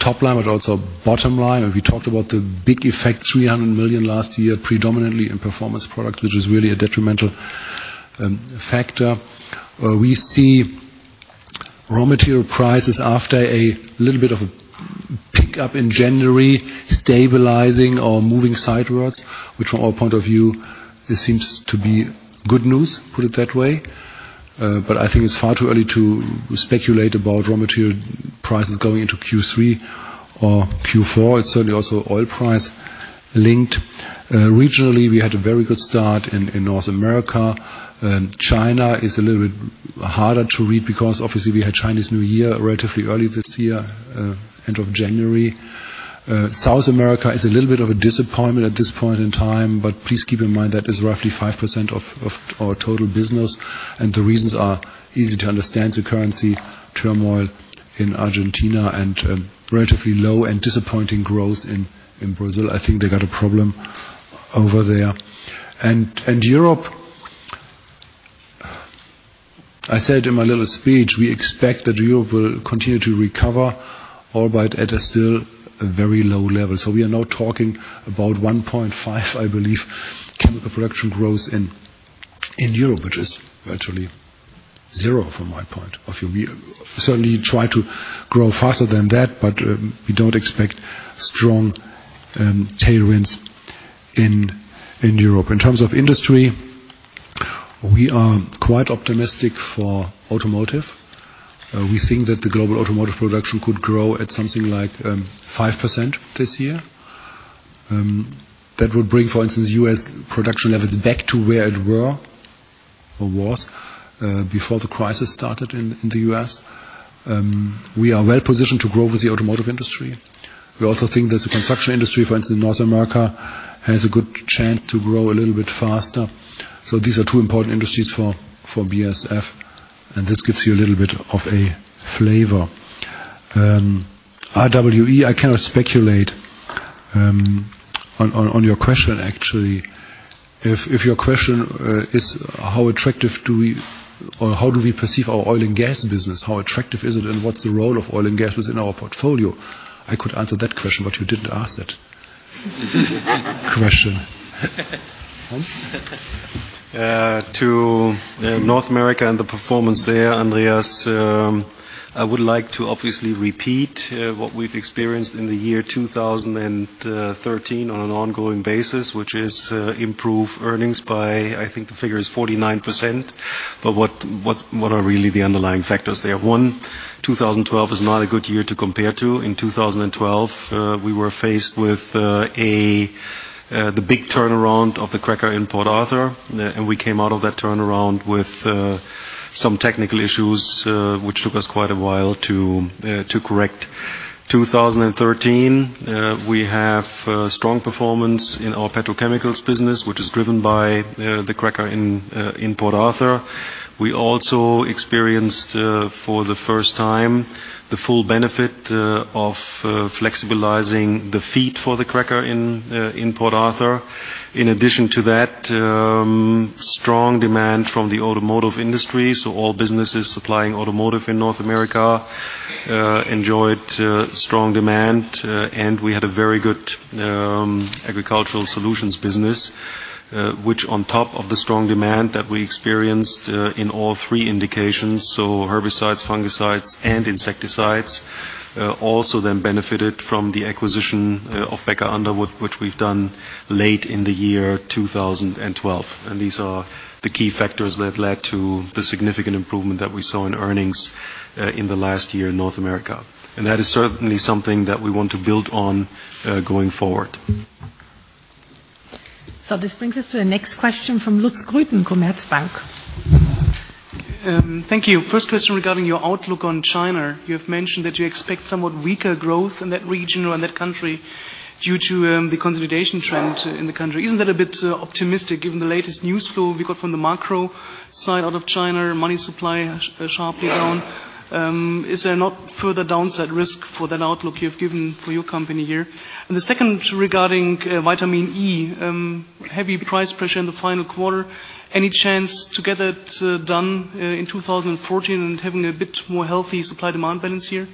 top line, but also bottom line. We talked about the big effect, 300 million last year, predominantly in Performance Products, which is really a detrimental factor. We see raw material prices after a little bit of a pick-up in January, stabilizing or moving sideways, which from our point of view, this seems to be good news, put it that way. I think it's far too early to speculate about raw material prices going into Q3 or Q4. It's certainly also oil price linked. Regionally, we had a very good start in North America. China is a little bit harder to read because obviously we had Chinese New Year relatively early this year, end of January. South America is a little bit of a disappointment at this point in time, but please keep in mind that is roughly 5% of our total business, and the reasons are easy to understand, the currency turmoil in Argentina and relatively low and disappointing growth in Brazil. I think they got a problem over there. Europe, I said in my little speech, we expect that Europe will continue to recover, albeit at a still very low level. We are now talking about 1.5%, I believe, chemical production growth in Europe, which is virtually zero from my point of view. We certainly try to grow faster than that, but we don't expect strong tailwinds in Europe. In terms of industry, we are quite optimistic for automotive. We think that the global automotive production could grow at something like 5% this year. That would bring, for instance, U.S. production levels back to where it were or was before the crisis started in the U.S. We are well-positioned to grow with the automotive industry. We also think that the construction industry, for instance, in North America, has a good chance to grow a little bit faster. These are two important industries for BASF, and this gives you a little bit of a flavor. RWE, I cannot speculate on your question, actually. If your question is how attractive do we or how do we perceive our oil and gas business, how attractive is it, and what's the role of oil and gas within our portfolio? I could answer that question, but you didn't ask that question. Huh? To North America and the performance there, Andreas, I would like to obviously repeat what we've experienced in the year 2013 on an ongoing basis, which is improved earnings by, I think the figure is 49%. What are really the underlying factors there? One, 2012 is not a good year to compare to. In 2012, we were faced with the big turnaround of the cracker in Port Arthur. We came out of that turnaround with some technical issues which took us quite a while to correct. 2013, we have strong performance in our petrochemicals business, which is driven by the cracker in Port Arthur. We also experienced for the first time the full benefit of flexibilizing the feed for the cracker in Port Arthur. In addition to that, strong demand from the automotive industry. All businesses supplying automotive in North America enjoyed strong demand. We had a very good agricultural solutions business, which on top of the strong demand that we experienced in all three indications, so herbicides, fungicides, and insecticides, also then benefited from the acquisition of Becker Underwood, which we've done late in the year 2012. These are the key factors that led to the significant improvement that we saw in earnings in the last year in North America. That is certainly something that we want to build on going forward. This brings us to the next question from Lutz Gericke, Commerzbank. Thank you. First question regarding your outlook on China. You have mentioned that you expect somewhat weaker growth in that region or in that country due to the consolidation trend in the country. Isn't that a bit optimistic given the latest news flow we got from the macro side out of China, money supply sharply down? Is there not further downside risk for that outlook you've given for your company here? The second regarding vitamin E, heavy price pressure in the final quarter. Any chance to get that done in 2014 and having a bit more healthy supply-demand balance here?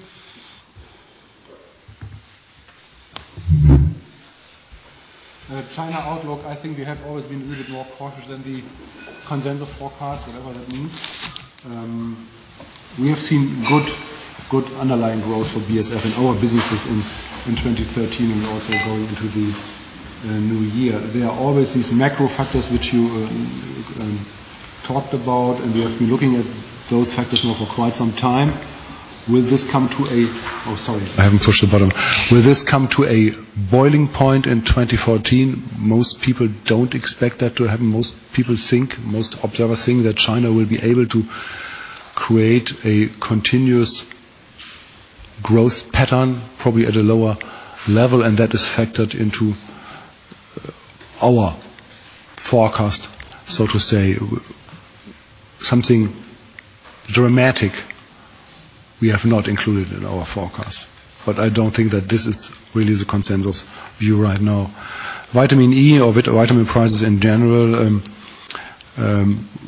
China outlook, I think we have always been a little more cautious than the consensus forecast, whatever that means. We have seen good underlying growth for BASF in our businesses in 2013 and also going into the new year. There are always these macro factors which you talked about, and we have been looking at those factors now for quite some time. Will this come to a boiling point in 2014? Most people don't expect that to happen. Most people think, most observers think that China will be able to create a continuous growth pattern, probably at a lower level, and that is factored into our forecast, so to say. Something dramatic, we have not included in our forecast, but I don't think that this is really the consensus view right now. Vitamin E or vitamin prices in general,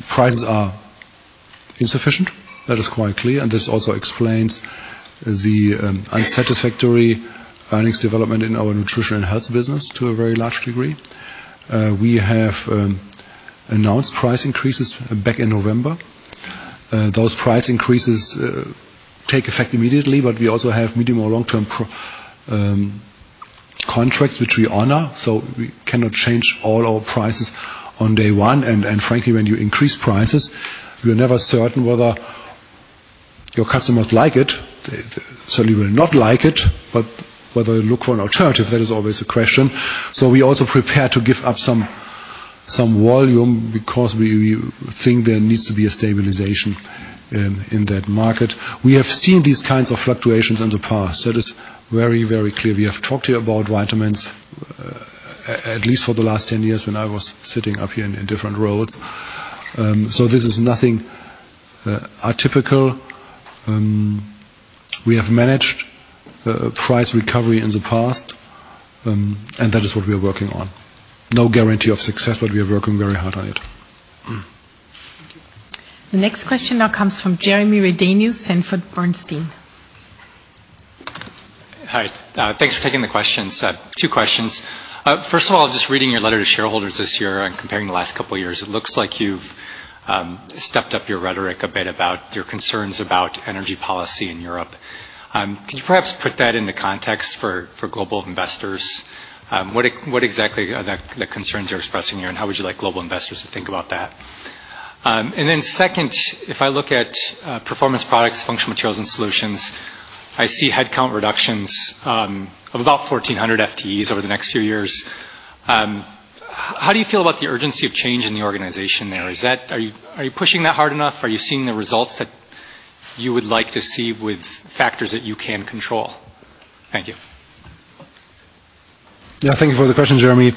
prices are insufficient. That is quite clear, and this also explains the unsatisfactory earnings development in our nutrition and health business to a very large degree. We have announced price increases back in November. Those price increases take effect immediately, but we also have medium- or long-term contracts which we honor, so we cannot change all our prices on day one. Frankly, when you increase prices, you're never certain whether your customers like it. They certainly will not like it, but whether they look for an alternative, that is always a question. We also prepare to give up some volume because we think there needs to be a stabilization in that market. We have seen these kinds of fluctuations in the past. That is very, very clear. We have talked here about vitamins at least for the last 10 years when I was sitting up here in different roles. This is nothing atypical. We have managed price recovery in the past, and that is what we are working on. No guarantee of success, but we are working very hard on it. Thank you. The next question now comes from Jeremy Redenius, Sanford C. Bernstein. Hi. Thanks for taking the questions. Two questions. First of all, just reading your letter to shareholders this year and comparing the last couple of years, it looks like you've stepped up your rhetoric a bit about your concerns about energy policy in Europe. Could you perhaps put that into context for global investors? What exactly are the concerns you're expressing here, and how would you like global investors to think about that? And then second, if I look at Performance Products, Functional Materials, and Solutions, I see headcount reductions of about 1,400 FTEs over the next few years. How do you feel about the urgency of change in the organization there? Are you pushing that hard enough? Are you seeing the results that you would like to see with factors that you can control? Thank you. Yeah, thank you for the question, Jeremy.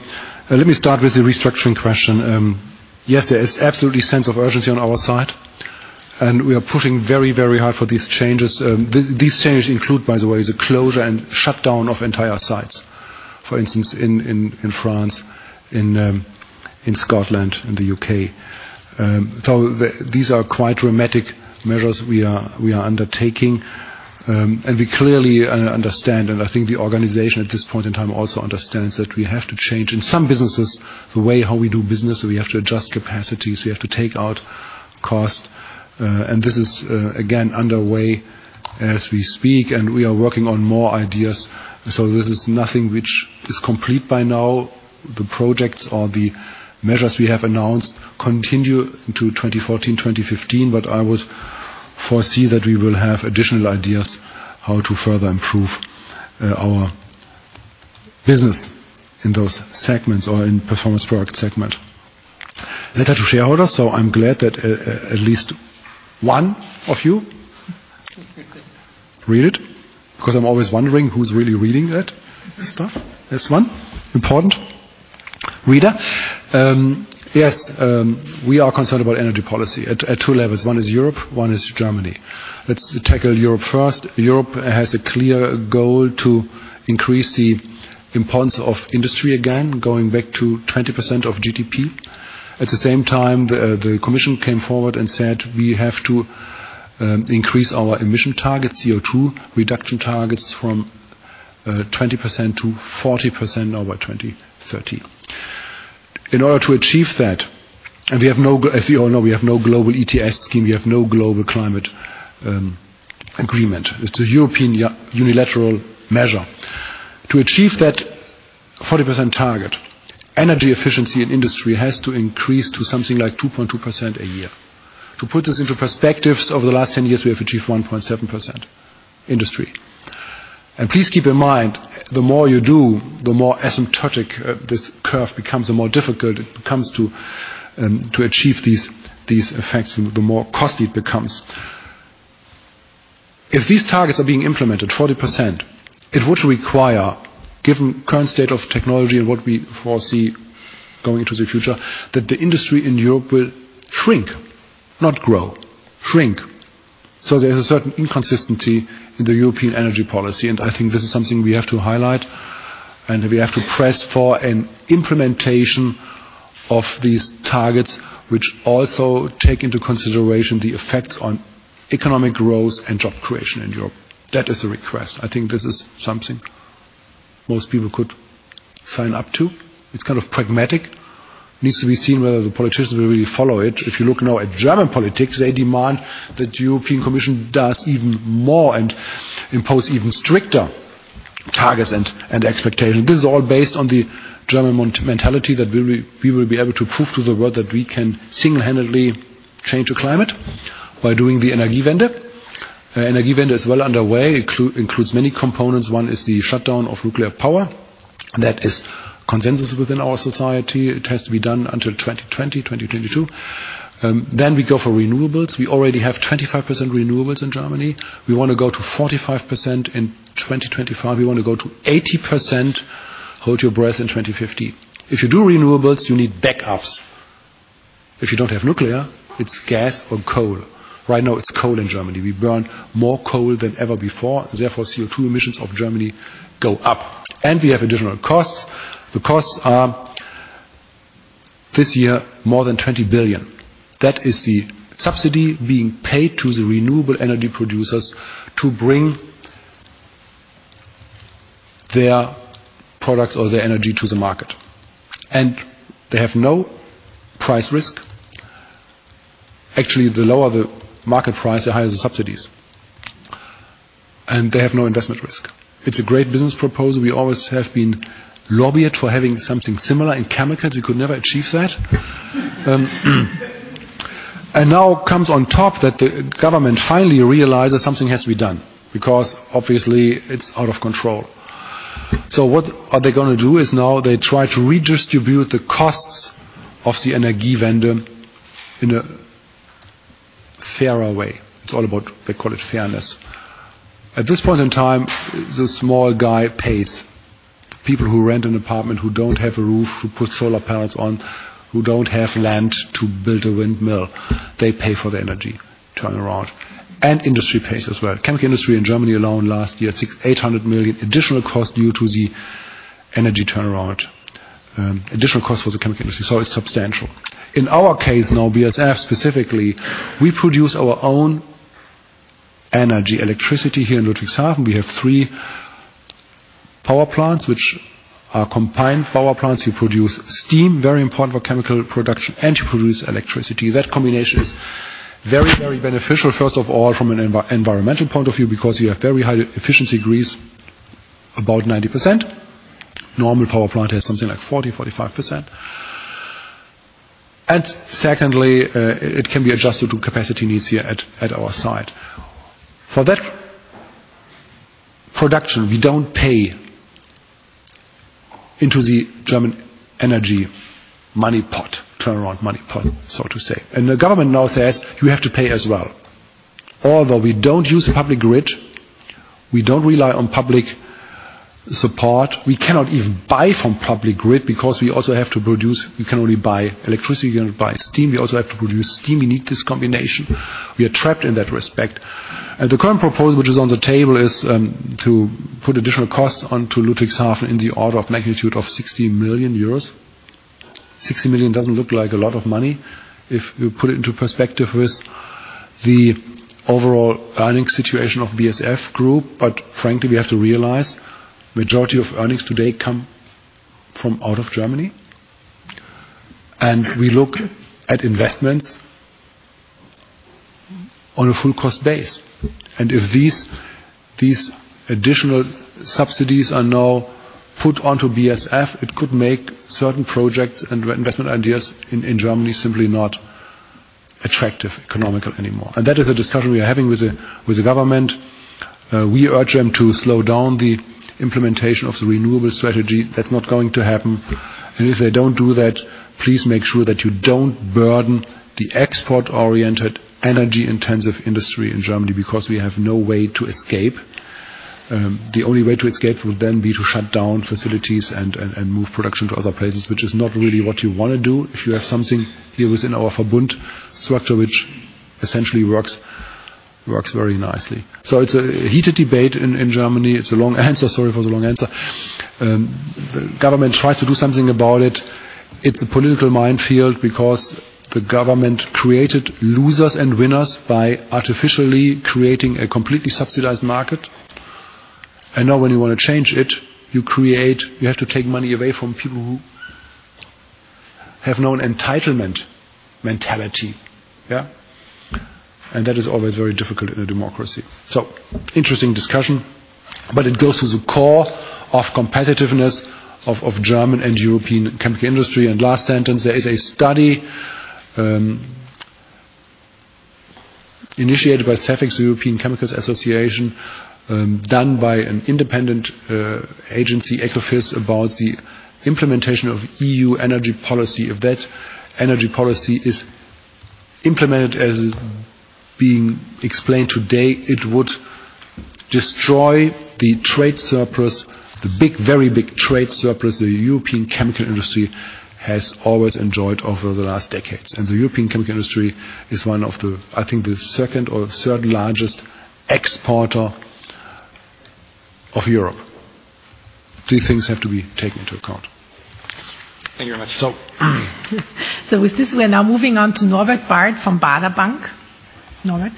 Let me start with the restructuring question. Yes, there is absolutely sense of urgency on our side, and we are pushing very, very hard for these changes. These changes include, by the way, the closure and shutdown of entire sites. For instance, in France, in Scotland, in the U.K. These are quite dramatic measures we are undertaking. We clearly understand, and I think the organization at this point in time also understands that we have to change, in some businesses, the way how we do business. We have to adjust capacities. We have to take out cost. This is again underway as we speak, and we are working on more ideas. This is nothing which is complete by now. The projects or the measures we have announced continue into 2014, 2015, but I would foresee that we will have additional ideas how to further improve our business in those segments or in Performance Products segment. Letter to shareholders, so I'm glad that at least one of you read it, 'cause I'm always wondering who's really reading that stuff. There's one important reader. Yes, we are concerned about energy policy at two levels. One is Europe, one is Germany. Let's tackle Europe first. Europe has a clear goal to increase the importance of industry again, going back to 20% of GDP. At the same time, the commission came forward and said, we have to increase our emission targets, CO2 reduction targets, from 20%-40% over 2030. In order to achieve that, as you all know, we have no global ETS scheme. We have no global climate agreement. It's a European unilateral measure. To achieve that 40% target, energy efficiency in industry has to increase to something like 2.2% a year. To put this into perspective, over the last 10 years, we have achieved 1.7% in industry. Please keep in mind, the more you do, the more asymptotic this curve becomes, the more difficult it becomes to achieve these effects, and the more costly it becomes. If these targets are being implemented, 40%, it would require, given current state of technology and what we foresee going into the future, that the industry in Europe will shrink, not grow. Shrink. There's a certain inconsistency in the European energy policy, and I think this is something we have to highlight, and we have to press for an implementation of these targets, which also take into consideration the effects on economic growth and job creation in Europe. That is a request. I think this is something most people could sign up to. It's kind of pragmatic. Needs to be seen whether the politicians will really follow it. If you look now at German politics, they demand that European Commission does even more and impose even stricter targets and expectations. This is all based on the German mentality that we will be able to prove to the world that we can single-handedly change the climate by doing the Energiewende. The Energiewende is well underway, includes many components. One is the shutdown of nuclear power. That is consensus within our society. It has to be done until 2020, 2022. Then we go for renewables. We already have 25% renewables in Germany. We wanna go to 45% in 2025. We wanna go to 80%, hold your breath, in 2050. If you do renewables, you need backups. If you don't have nuclear, it's gas or coal. Right now, it's coal in Germany. We burn more coal than ever before. Therefore, CO2 emissions of Germany go up, and we have additional costs. The costs are this year more than 20 billion. That is the subsidy being paid to the renewable energy producers to bring their products or their energy to the market. They have no price risk. Actually, the lower the market price, the higher the subsidies. They have no investment risk. It's a great business proposal. We always have been lobbying for having something similar in chemicals. We could never achieve that. Now comes on top that the government finally realize that something has to be done because obviously it's out of control. What are they gonna do is now they try to redistribute the costs of the Energiewende in a fairer way. It's all about, they call it fairness. At this point in time, the small guy pays. People who rent an apartment, who don't have a roof, who put solar panels on, who don't have land to build a windmill, they pay for the energy turnaround, and industry pays as well. Chemical industry in Germany alone last year, 600 million-800 million additional cost due to the energy turnaround. Additional cost for the chemical industry, it's substantial. In our case now, BASF specifically, we produce our own energy, electricity here in Ludwigshafen. We have three power plants, which are combined power plants who produce steam, very important for chemical production, and to produce electricity. That combination is very, very beneficial, first of all, from an environmental point of view because you have very high efficiency degrees, about 90%. Normal power plant has something like 40%-45%. Secondly, it can be adjusted to capacity needs here at our site. For that production, we don't pay into the German energy money pot, turnaround money pot, so to say. The government now says, "You have to pay as well." Although we don't use public grid, we don't rely on public support. We cannot even buy from public grid because we also have to produce. We can only buy electricity, we can only buy steam. We also have to produce steam. We need this combination. We are trapped in that respect. The current proposal which is on the table is to put additional costs onto Ludwigshafen in the order of magnitude of 60 million euros. Sixty million doesn't look like a lot of money if you put it into perspective with the overall earning situation of BASF Group. Frankly, we have to realize majority of earnings today come from out of Germany, and we look at investments on a full cost base. If these additional subsidies are now put onto BASF, it could make certain projects and investment ideas in Germany simply not attractive economical anymore. That is a discussion we are having with the government. We urge them to slow down the implementation of the renewable strategy. That's not going to happen. If they don't do that, please make sure that you don't burden the export-oriented energy-intensive industry in Germany because we have no way to escape. The only way to escape would then be to shut down facilities and move production to other places, which is not really what you wanna do if you have something here within our Verbund structure, which essentially works very nicely. It's a heated debate in Germany. It's a long answer. Sorry for the long answer. Government tries to do something about it. It's a political minefield because the government created losers and winners by artificially creating a completely subsidized market. I know when you want to change it. You have to take money away from people who have no entitlement mentality. Yeah. That is always very difficult in a democracy. Interesting discussion, but it goes to the core of competitiveness of German and European chemical industry. Last sentence, there is a study initiated by Cefic, European Chemical Industry Council, done by an independent agency, Ecofys, about the implementation of EU energy policy. If that energy policy is implemented as being explained today, it would destroy the trade surplus, the big, very big trade surplus the European chemical industry has always enjoyed over the last decades. The European chemical industry is one of the, I think, the second or third largest exporter of Europe. These things have to be taken into account. Thank you very much. So. with this, we're now moving on to Norbert Barth from Baader Bank. Norbert.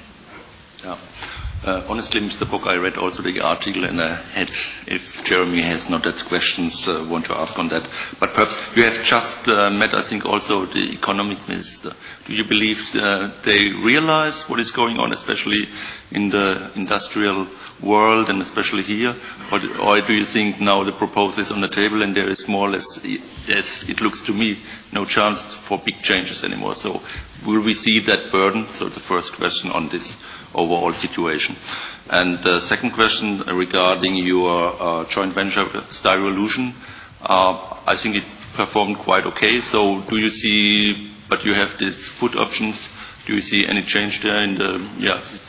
Yeah. Honestly, Mr. Bock, I read also the article, and I had, if Jeremy has not asked questions, I want to ask on that. Perhaps you have just met, I think, also the economic minister. Do you believe they realize what is going on, especially in the industrial world and especially here? Or do you think now the proposal is on the table and there is more or less, as it looks to me, no chance for big changes anymore? Will we see that burden? The first question on this overall situation. Second question regarding your joint venture with Styrolution. I think it performed quite okay. Do you see any change there in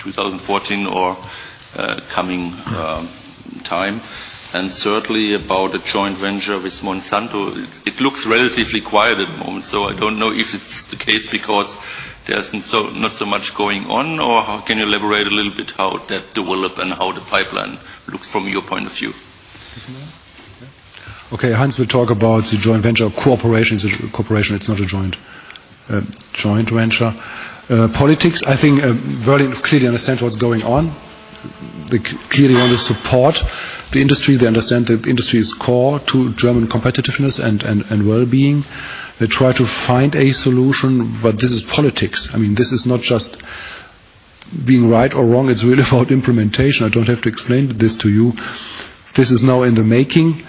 2014 or coming time? Thirdly, about the joint venture with Monsanto. It looks relatively quiet at the moment, so I don't know if it's the case because there's so not so much going on, or can you elaborate a little bit how that develop and how the pipeline looks from your point of view? Okay, Hans will talk about the joint venture cooperation. It's a cooperation. It's not a joint venture. Politicians, I think, very clearly understand what's going on. They clearly want to support the industry. They understand that industry is core to German competitiveness and wellbeing. They try to find a solution, but this is politics. I mean, this is not just being right or wrong. It's really about implementation. I don't have to explain this to you. This is now in the making.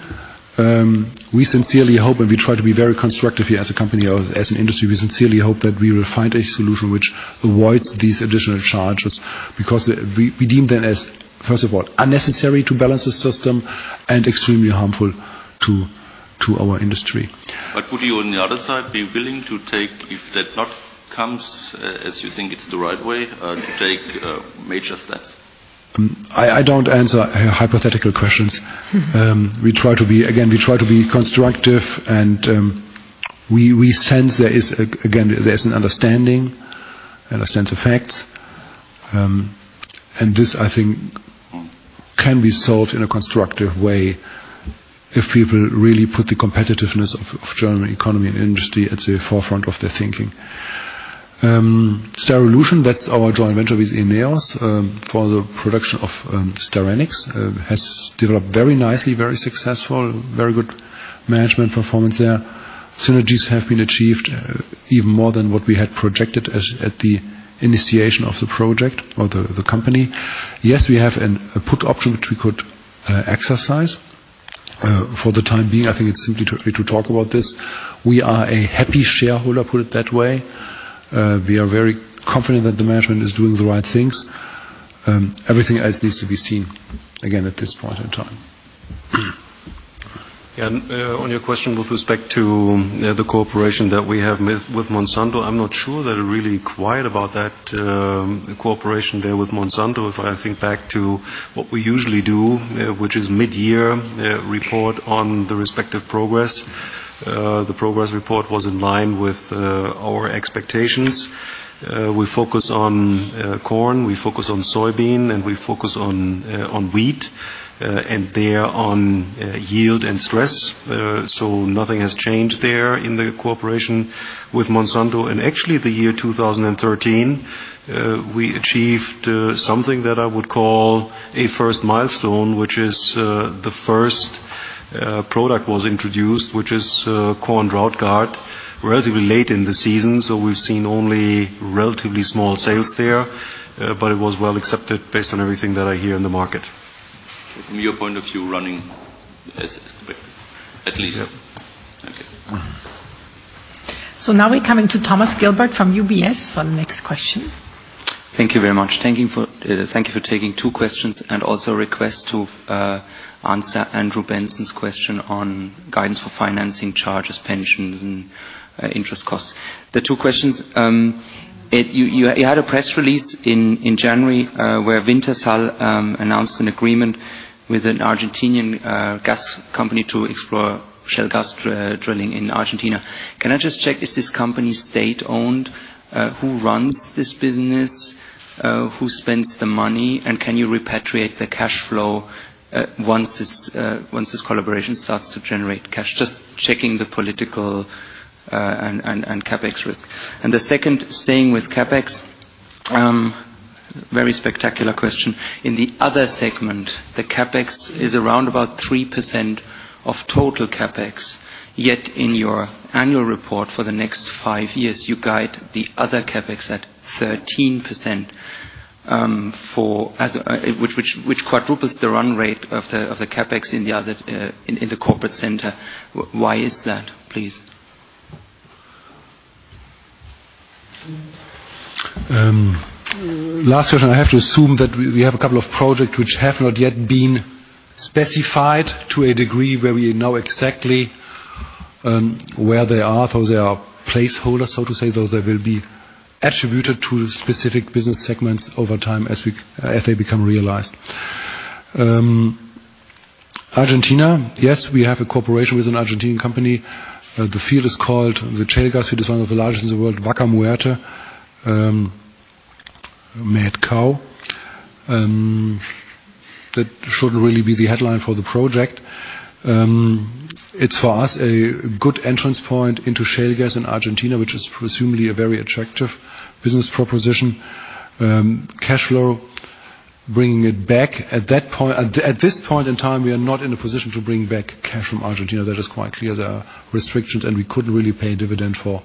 We sincerely hope, and we try to be very constructive here as a company or as an industry. We sincerely hope that we will find a solution which avoids these additional charges because we deem them as, first of all, unnecessary to balance the system and extremely harmful to our industry. Would you, on the other side, be willing to take, if that not comes, as you think it's the right way, to take major steps? I don't answer hypothetical questions. We try to be constructive again, and we sense there is an understanding and a sense of facts again. This, I think, can be solved in a constructive way if people really put the competitiveness of German economy and industry at the forefront of their thinking. Styrolution, that's our joint venture with Ineos for the production of styrenics, has developed very nicely, very successful, very good management performance there. Synergies have been achieved even more than what we had projected as at the initiation of the project or the company. Yes, we have a put option which we could exercise. For the time being, I think it's simply too early to talk about this. We are a happy shareholder, put it that way. We are very confident that the management is doing the right things. Everything else needs to be seen again at this point in time. On your question with respect to, you know, the cooperation that we have with Monsanto, I'm not sure they're really quiet about that cooperation there with Monsanto. If I think back to what we usually do, which is mid-year report on the respective progress. The progress report was in line with our expectations. We focus on corn, we focus on soybean, and we focus on wheat, and they're on yield and stress. Nothing has changed there in the cooperation with Monsanto. Actually 2013, we achieved something that I would call a first milestone, which is the first product was introduced, which is corn DroughtGard, relatively late in the season, so we've seen only relatively small sales there, but it was well accepted based on everything that I hear in the market. From your point of view, running as Yeah. At least. Okay. Now we're coming to Thomas Gilbert from UBS for the next question. Thank you very much. Thank you for taking two questions, and also a request to answer Andrew Benson's question on guidance for financing charges, pensions, and interest costs. The two questions. You had a press release in January where Wintershall announced an agreement with an Argentine gas company to explore shale gas drilling in Argentina. Can I just check if this company is state-owned? Who runs this business? Who spends the money? And can you repatriate the cash flow once this collaboration starts to generate cash? Just checking the political and CapEx risk. The second, staying with CapEx, very specific question. In the other segment, the CapEx is around about 3% of total CapEx. Yet in your annual report for the next five years, you guide the other CapEx at 13%, which quadruples the run rate of the CapEx in the corporate center. Why is that, please? Last question, I have to assume that we have a couple of projects which have not yet been specified to a degree where we know exactly where they are. They are placeholders, so to say, those that will be attributed to specific business segments over time as they become realized. Argentina, yes, we have a cooperation with an Argentine company. The field is called Vaca Muerta, the shale gas field, one of the largest in the world, dead cow. That should really be the headline for the project. It's for us a good entrance point into shale gas in Argentina, which is presumably a very attractive business proposition. Cash flow, bringing it back. At this point in time, we are not in a position to bring back cash from Argentina. That is quite clear. There are restrictions, and we couldn't really pay a dividend for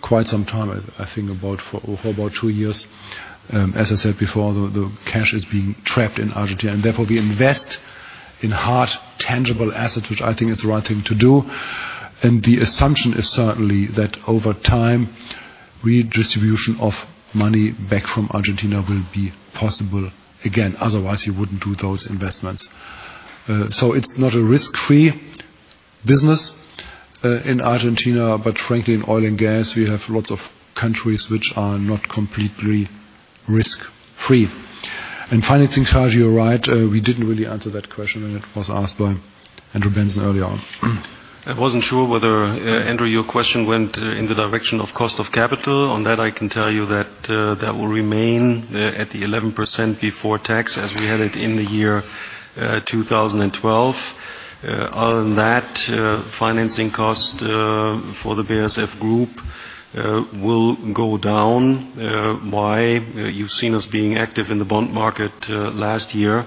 quite some time, I think for about two years. As I said before, the cash is being trapped in Argentina, and therefore we invest in hard tangible assets, which I think is the right thing to do. The assumption is certainly that over time, redistribution of money back from Argentina will be possible again. Otherwise, you wouldn't do those investments. It's not a risk-free business in Argentina, but frankly, in oil and gas, we have lots of countries which are not completely risk-free. Financing charge, you're right. We didn't really answer that question when it was asked by Andrew Benson early on. I wasn't sure whether, Andrew, your question went in the direction of cost of capital. On that, I can tell you that that will remain at the 11% before tax as we had it in the year 2012. Other than that, financing cost for the BASF group will go down. Why? You've seen us being active in the bond market last year,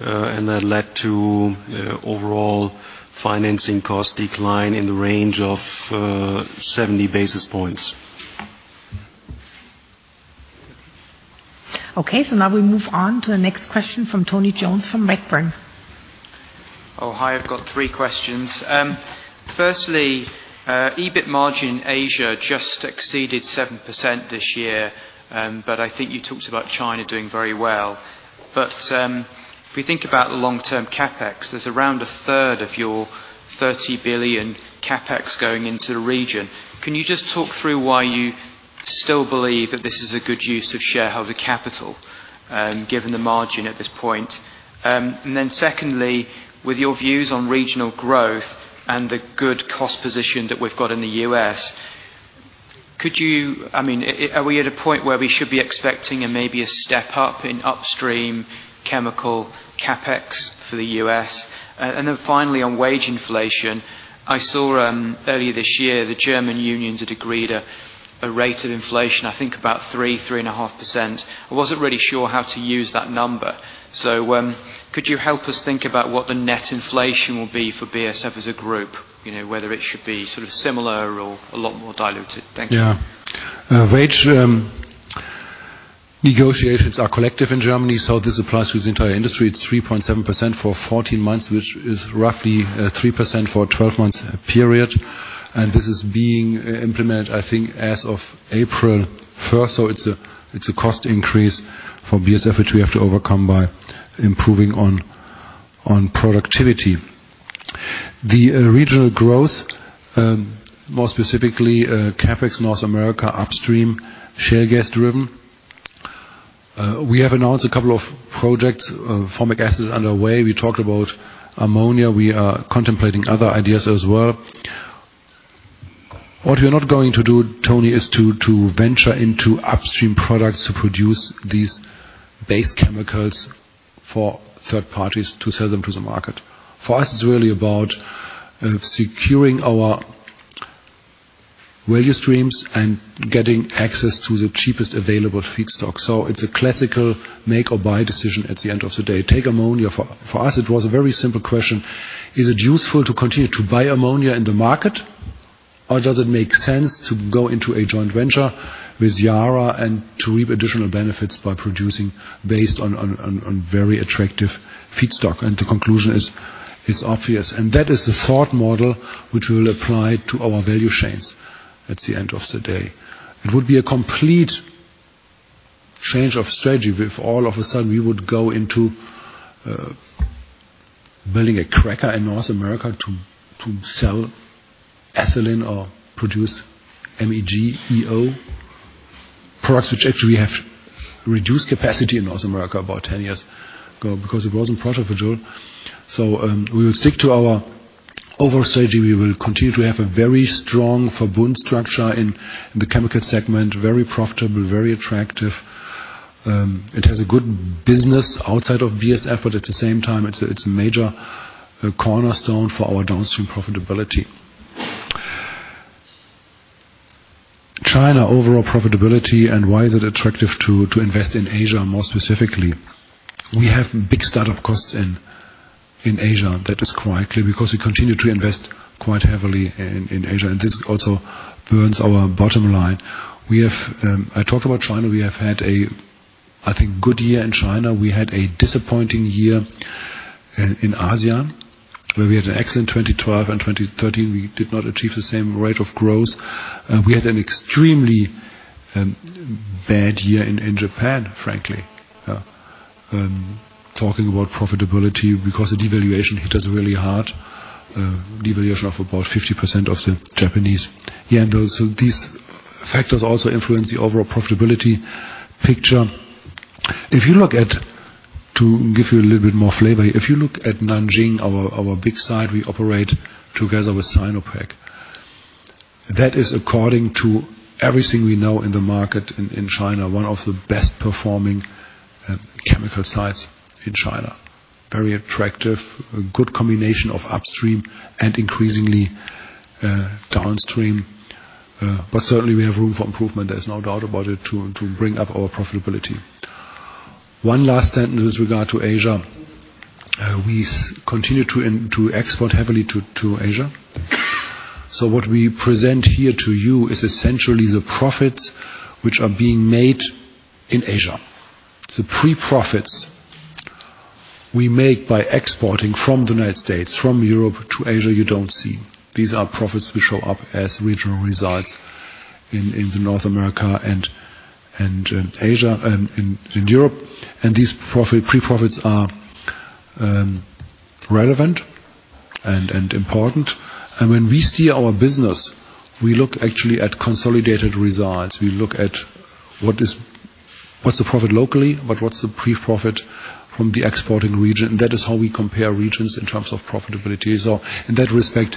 and that led to overall financing cost decline in the range of 70 basis points. Okay. Now we move on to the next question from Tony Jones from Macquarie. Oh, hi. I've got three questions. Firstly, EBIT margin in Asia just exceeded 7% this year, but I think you talked about China doing very well. If we think about the long-term CapEx, there's around a third of your 30 billion CapEx going into the region. Can you just talk through why you still believe that this is a good use of shareholder capital, given the margin at this point? Secondly, with your views on regional growth and the good cost position that we've got in the U.S., I mean, are we at a point where we should be expecting, maybe a step-up in upstream chemical CapEx for the U.S.? Finally on wage inflation, I saw earlier this year, the German unions had agreed a rate of inflation, I think about 3.5%. I wasn't really sure how to use that number. Could you help us think about what the net inflation will be for BASF as a group? You know, whether it should be sort of similar or a lot more diluted. Thank you. Wage negotiations are collective in Germany, so this applies to the entire industry. It's 3.7% for 14 months, which is roughly 3% for a 12-month period. This is being implemented, I think, as of April 1st. It's a cost increase for BASF, which we have to overcome by improving on productivity. The regional growth, more specifically, CapEx North America upstream, shale gas-driven. We have announced a couple of projects. Formic acid is underway. We talked about ammonia. We are contemplating other ideas as well. What we're not going to do, Tony, is to venture into upstream products to produce these base chemicals for third parties to sell them to the market. For us, it's really about securing our value streams and getting access to the cheapest available feedstock. It's a classical make or buy decision at the end of the day. Take ammonia, for us, it was a very simple question. Is it useful to continue to buy ammonia in the market, or does it make sense to go into a joint venture with Yara and to reap additional benefits by producing based on very attractive feedstock? The conclusion is obvious, and that is the thought model which we'll apply to our value chains at the end of the day. It would be a complete change of strategy if all of a sudden we would go into building a cracker in North America to sell ethylene or produce MEG, EO. Products which actually have reduced capacity in North America about 10 years ago because it wasn't profitable. We will stick to our overall strategy. We will continue to have a very strong Verbund structure in the chemical segment. Very profitable, very attractive. It has a good business outside of BASF, but at the same time, it's a major cornerstone for our downstream profitability. China overall profitability and why is it attractive to invest in Asia more specifically. We have big start-up costs in Asia. That is quite clear because we continue to invest quite heavily in Asia, and this also burns our bottom line. I talk about China. We have had a good year in China. We had a disappointing year in ASEAN, where we had an excellent 2012 and 2013. We did not achieve the same rate of growth. We had an extremely bad year in Japan, frankly. Talking about profitability because the devaluation hit us really hard. Devaluation of about 50% of the Japanese yen. These factors also influence the overall profitability picture. To give you a little bit more flavor, if you look at Nanjing, our big site we operate together with Sinopec, that is according to everything we know in the market in China, one of the best-performing chemical sites in China. Very attractive. A good combination of upstream and increasingly downstream. But certainly we have room for improvement, there's no doubt about it, to bring up our profitability. One last sentence with regard to Asia. We continue to export heavily to Asia. What we present here to you is essentially the profits which are being made in Asia. The pre-profits we make by exporting from the United States, from Europe to Asia, you don't see. These are profits which show up as regional results in North America and Asia and in Europe. These pre-profits are relevant and important. When we see our business, we look actually at consolidated results. We look at what's the profit locally, but what's the pre-profit from the exporting region. That is how we compare regions in terms of profitability. In that respect,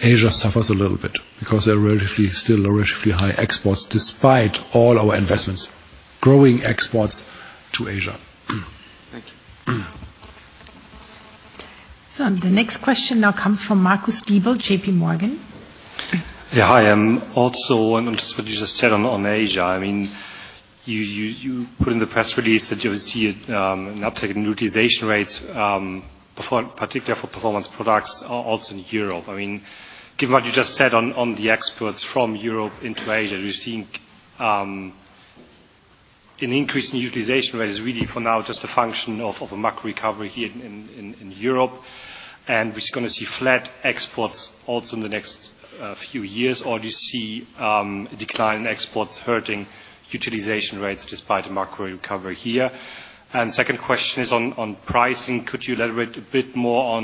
Asia suffers a little bit because they're still relatively high exports despite all our investments, growing exports to Asia. Thank you. The next question now comes from Marcus Diebel, J.P. Morgan. Yeah. Hi. Also, I'm interested in what you just said on Asia. I mean, you put in the press release that you would see an uptick in utilization rates, particularly for Performance Products also in Europe. I mean, given what you just said on the exports from Europe into Asia, do you think an increase in utilization rate is really for now just a function of a macro recovery here in Europe? And we're just gonna see flat exports also in the next few years, or do you see a decline in exports hurting utilization rates despite the macro recovery here? And second question is on pricing. Could you elaborate a bit more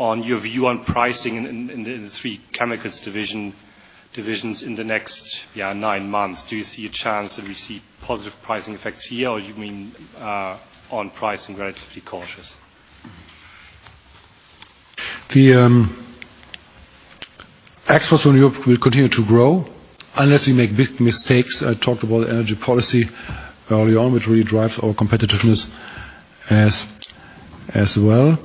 on your view on pricing in the three chemicals divisions in the next nine months? Do you see a chance that we see positive pricing effects here, or you mean, on pricing relatively cautious? The exports from Europe will continue to grow unless we make big mistakes. I talked about energy policy early on, which really drives our competitiveness as well.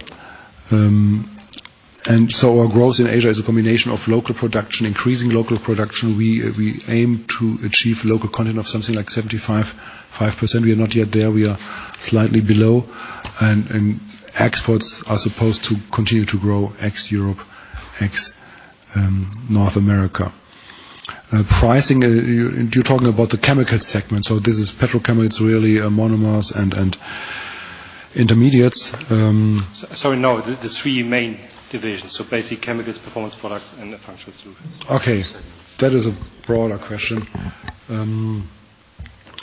Our growth in Asia is a combination of local production, increasing local production. We aim to achieve local content of something like 75.5%. We are not yet there. We are slightly below. Exports are supposed to continue to grow ex-Europe, ex North America. Pricing, you're talking about the chemical segment, so this is petrochemical, it's really monomers and intermediates. Sorry, no, the three main divisions, so Chemicals, Performance Products, and the Functional Solutions. Okay. That is a broader question.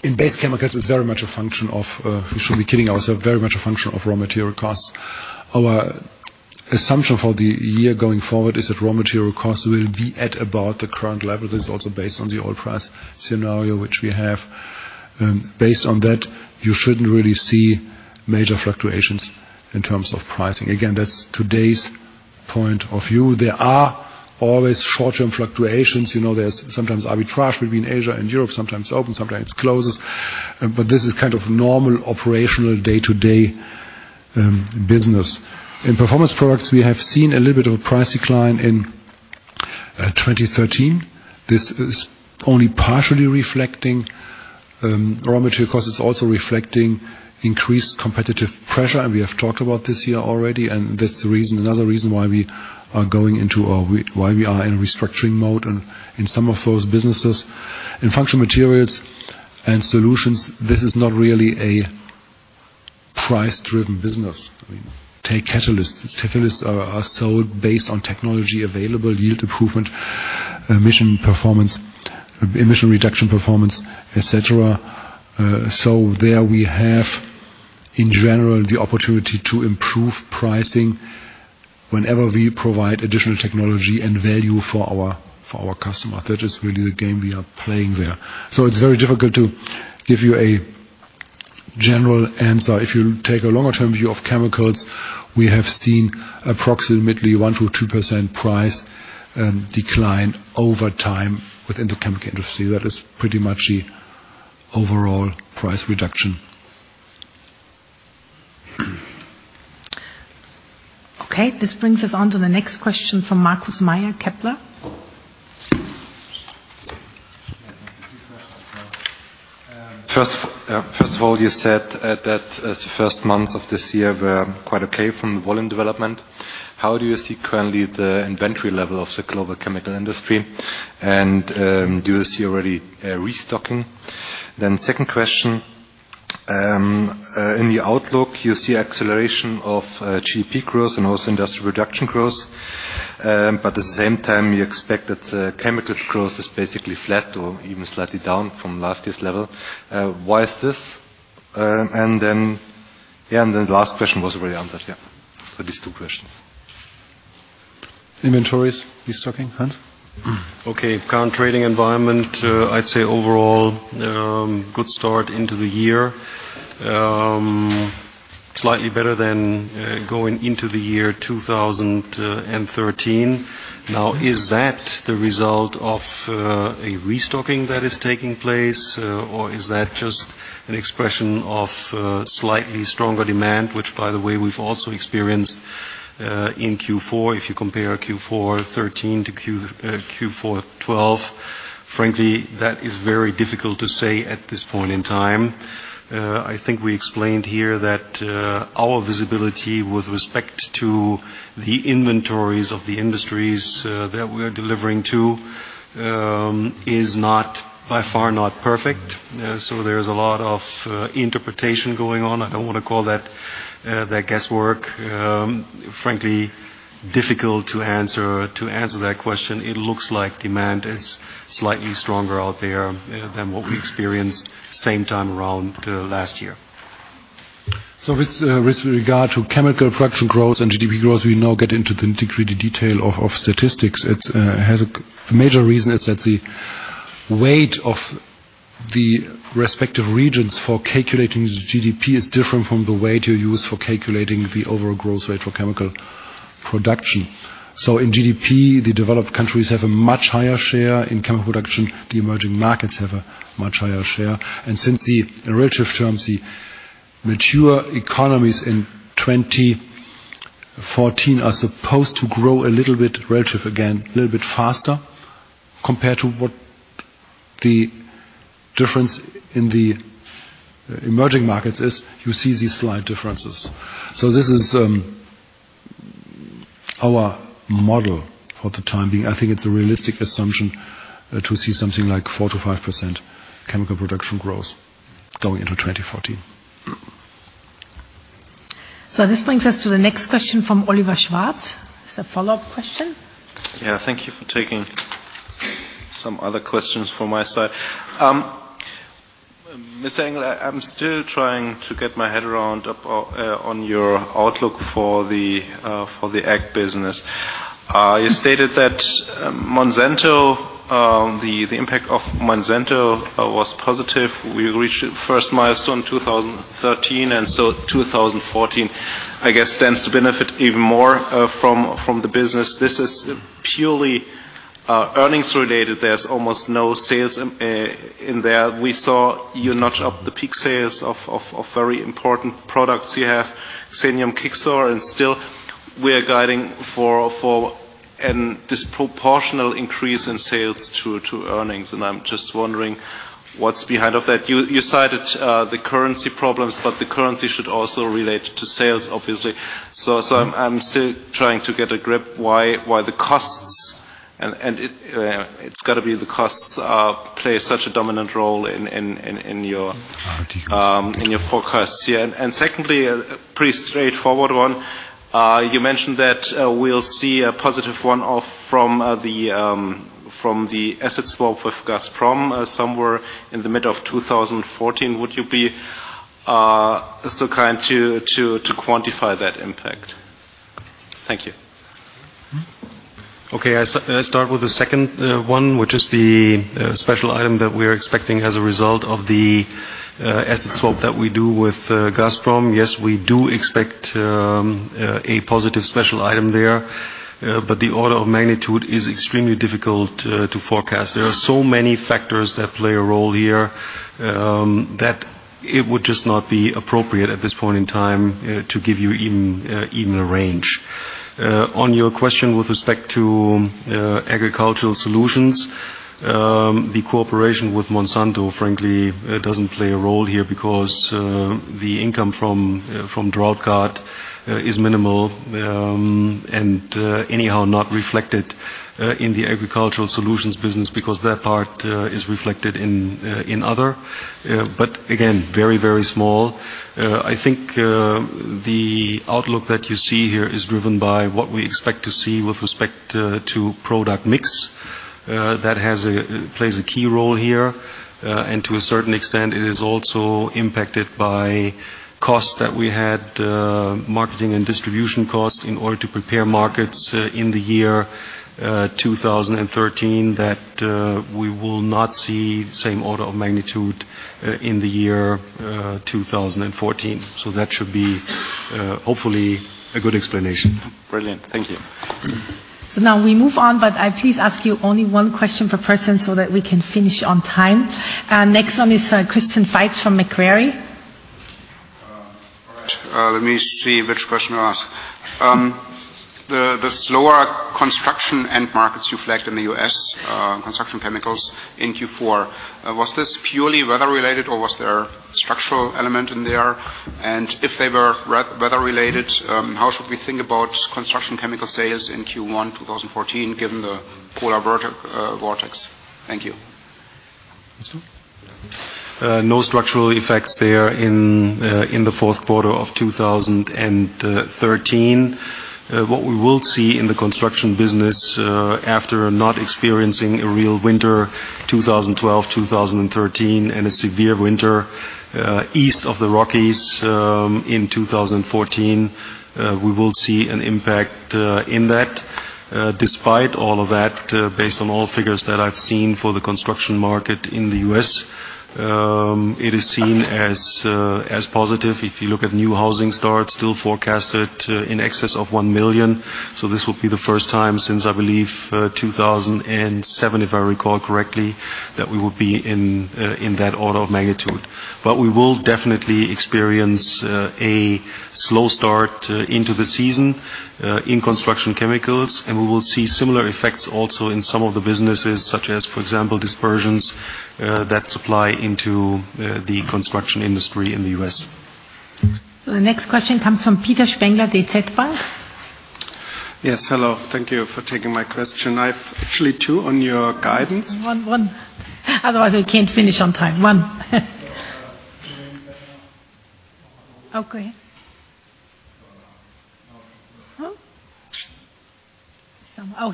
In Basic Chemicals, it's very much a function of, we shouldn't be kidding ourselves, very much a function of raw material costs. Our assumption for the year going forward is that raw material costs will be at about the current level. That is also based on the oil price scenario which we have. Based on that, you shouldn't really see major fluctuations in terms of pricing. Again, that's today's point of view. There are always short-term fluctuations. You know, there's sometimes arbitrage between Asia and Europe, sometimes opens, sometimes closes. But this is kind of normal operational day-to-day business. In Performance Products, we have seen a little bit of a price decline in 2013. This is only partially reflecting raw material costs. It's also reflecting increased competitive pressure, and we have talked about this here already, and that's the reason, another reason why we are in restructuring mode in some of those businesses. In Functional Materials and Solutions, this is not really a price-driven business. I mean, take catalysts. Catalysts are sold based on technology available, yield improvement, emission performance, emission reduction performance, et cetera. There we have, in general, the opportunity to improve pricing whenever we provide additional technology and value for our customer. That is really the game we are playing there. It's very difficult to give you a general answer. If you take a longer-term view of chemicals, we have seen approximately 1%-2% price decline over time within the chemical industry. That is pretty much the overall price reduction. Okay, this brings us on to the next question from Markus Mayer, Kepler. First of all, you said that the first months of this year were quite okay from volume development. How do you see currently the inventory level of the global chemical industry? Do you see already a restocking? Second question, in the outlook, you see acceleration of GDP growth and also industrial production growth. At the same time, you expect that chemical growth is basically flat or even slightly down from last year's level. Why is this? The last question was already answered. These two questions. Inventories, restocking, Hans? Okay. Current trading environment, I'd say overall, good start into the year. Slightly better than going into the year 2013. Now, is that the result of a restocking that is taking place, or is that just an expression of slightly stronger demand, which by the way, we've also experienced in Q4 if you compare Q4 2013 to Q4 2012. Frankly, that is very difficult to say at this point in time. I think we explained here that our visibility with respect to the inventories of the industries that we're delivering to is not, by far not perfect. So there's a lot of interpretation going on. I don't wanna call that guesswork. Frankly, difficult to answer that question. It looks like demand is slightly stronger out there than what we experienced same time around last year. With regard to chemical production growth and GDP growth, we now get into the nitty-gritty detail of statistics. The major reason is that the weight of the respective regions for calculating the GDP is different from the weight you use for calculating the overall growth rate for chemical production. In GDP, the developed countries have a much higher share. In chemical production, the emerging markets have a much higher share. Since, in relative terms, the mature economies in 2014 are supposed to grow a little bit faster compared to what the difference in the emerging markets is, you see these slight differences. This is our model for the time being. I think it's a realistic assumption to see something like 4%-5% chemical production growth going into 2014. This brings us to the next question from Oliver Schwarz. It's a follow-up question. Yeah. Thank you for taking some other questions from my side. Mr. Engel, I'm still trying to get my head around your outlook for the ag business. You stated that the impact of Monsanto was positive. We reached the first milestone in 2013, and so 2014, I guess, stands to benefit even more from the business. This is purely earnings-related. There's almost no sales in there. We saw you notch up the peak sales of very important products. You have Xemium, Kixor, and still we are guiding for a disproportionate increase in sales to earnings. I'm just wondering. What's behind that? You cited the currency problems, but the currency should also relate to sales, obviously. I'm still trying to get a grip why the costs, and it's gotta be the costs, play such a dominant role in your- Details. In your forecasts. Yeah. Secondly, a pretty straightforward one. You mentioned that we'll see a positive one-off from the asset swap with Gazprom somewhere in the middle of 2014. Would you be so kind to quantify that impact? Thank you. Okay. I start with the second one, which is the special item that we are expecting as a result of the asset swap that we do with Gazprom. Yes, we do expect a positive special item there. The order of magnitude is extremely difficult to forecast. There are so many factors that play a role here that it would just not be appropriate at this point in time to give you even a range. On your question with respect to Agricultural Solutions, the cooperation with Monsanto, frankly, doesn't play a role here because the income from DroughtGard is minimal and anyhow not reflected in the Agricultural Solutions business because that part is reflected in other. Again, very, very small. I think the outlook that you see here is driven by what we expect to see with respect to product mix. That plays a key role here. To a certain extent, it is also impacted by costs that we had, marketing and distribution costs in order to prepare markets in the year 2013 that we will not see the same order of magnitude in the year 2014. That should be hopefully a good explanation. Brilliant. Thank you. Now we move on, but I please ask you only one question per person so that we can finish on time. Next one is Christian Veit from Macquarie. All right. Let me see which question to ask. The slower construction end markets you flagged in the U.S., construction chemicals in Q4, was this purely weather-related, or was there structural element in there? If they were weather-related, how should we think about construction chemical sales in Q1 2014 given the polar vortex? Thank you. No structural effects there in the fourth quarter of 2013. What we will see in the construction business, after not experiencing a real winter, 2012, 2013, and a severe winter east of the Rockies in 2014, we will see an impact in that. Despite all of that, based on all figures that I've seen for the construction market in the U.S., it is seen as positive. If you look at new housing starts, still forecasted in excess of 1 million. This will be the first time since, I believe, 2007, if I recall correctly, that we will be in that order of magnitude. We will definitely experience a slow start into the season in construction chemicals, and we will see similar effects also in some of the businesses, such as, for example, dispersions that supply into the construction industry in the U.S. The next question comes from Peter Spengler, DZ Bank. Yes. Hello. Thank you for taking my question. I've actually two on your guidance. One. Otherwise, we can't finish on time. one, Okay.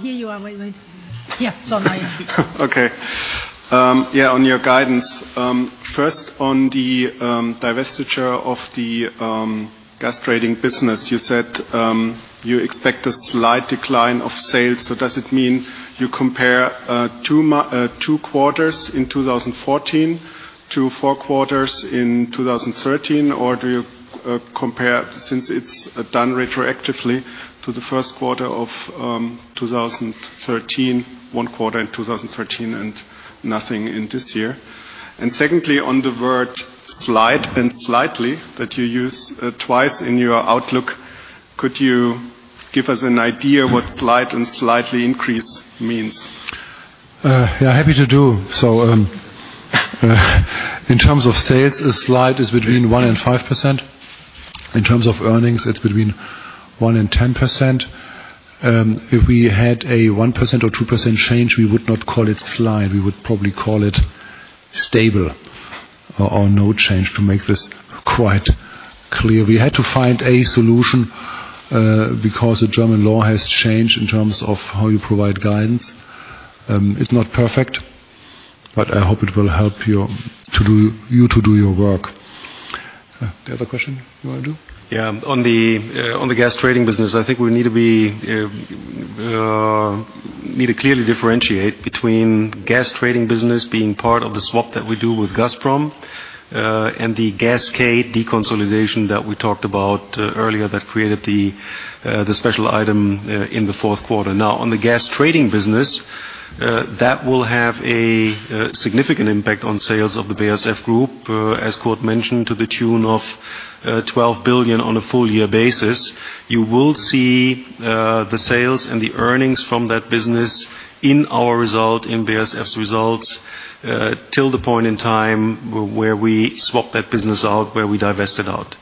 Here you are. Wait. Yeah. It's all right. Okay. Yeah, on your guidance, first on the divestiture of the gas trading business. You said you expect a slight decline of sales. Does it mean you compare two quarters in 2014 to four quarters in 2013? Or do you compare, since it's done retroactively, to the first quarter of 2013, one quarter in 2013 and nothing in this year? Secondly, on the word slight and slightly that you use twice in your outlook, could you give us an idea what slight and slightly increase means? Yeah, happy to do. In terms of sales, a slight is between 1% and 5%. In terms of earnings, it's between 1% and 10%. If we had a 1% or 2% change, we would not call it slight. We would probably call it stable or no change to make this quite clear. We had to find a solution because the German law has changed in terms of how you provide guidance. It's not perfect, but I hope it will help you to do your work. The other question you want to do? Yeah. On the gas trading business, I think we need to clearly differentiate between gas trading business being part of the swap that we do with Gazprom and the Gascade deconsolidation that we talked about earlier that created the special item in the fourth quarter. Now, on the gas trading business, that will have a significant impact on sales of the BASF Group, as Kurt mentioned, to the tune of 12 billion on a full year basis. You will see the sales and the earnings from that business in our result, in BASF's results, till the point in time where we swap that business out, where we divest it out.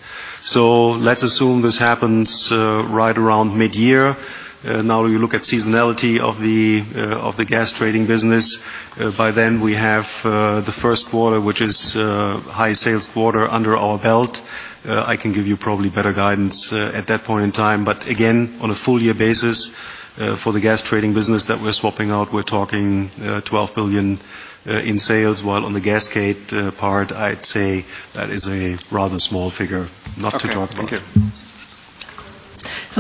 Let's assume this happens right around mid-year. Now we look at seasonality of the gas trading business. By then we have the first quarter, which is high sales quarter under our belt. I can give you probably better guidance at that point in time, but again, on a full year basis, for the gas trading business that we're swapping out, we're talking 12 billion in sales, while on the Gascade part, I'd say that is a rather small figure, not to talk about. Okay, thank you.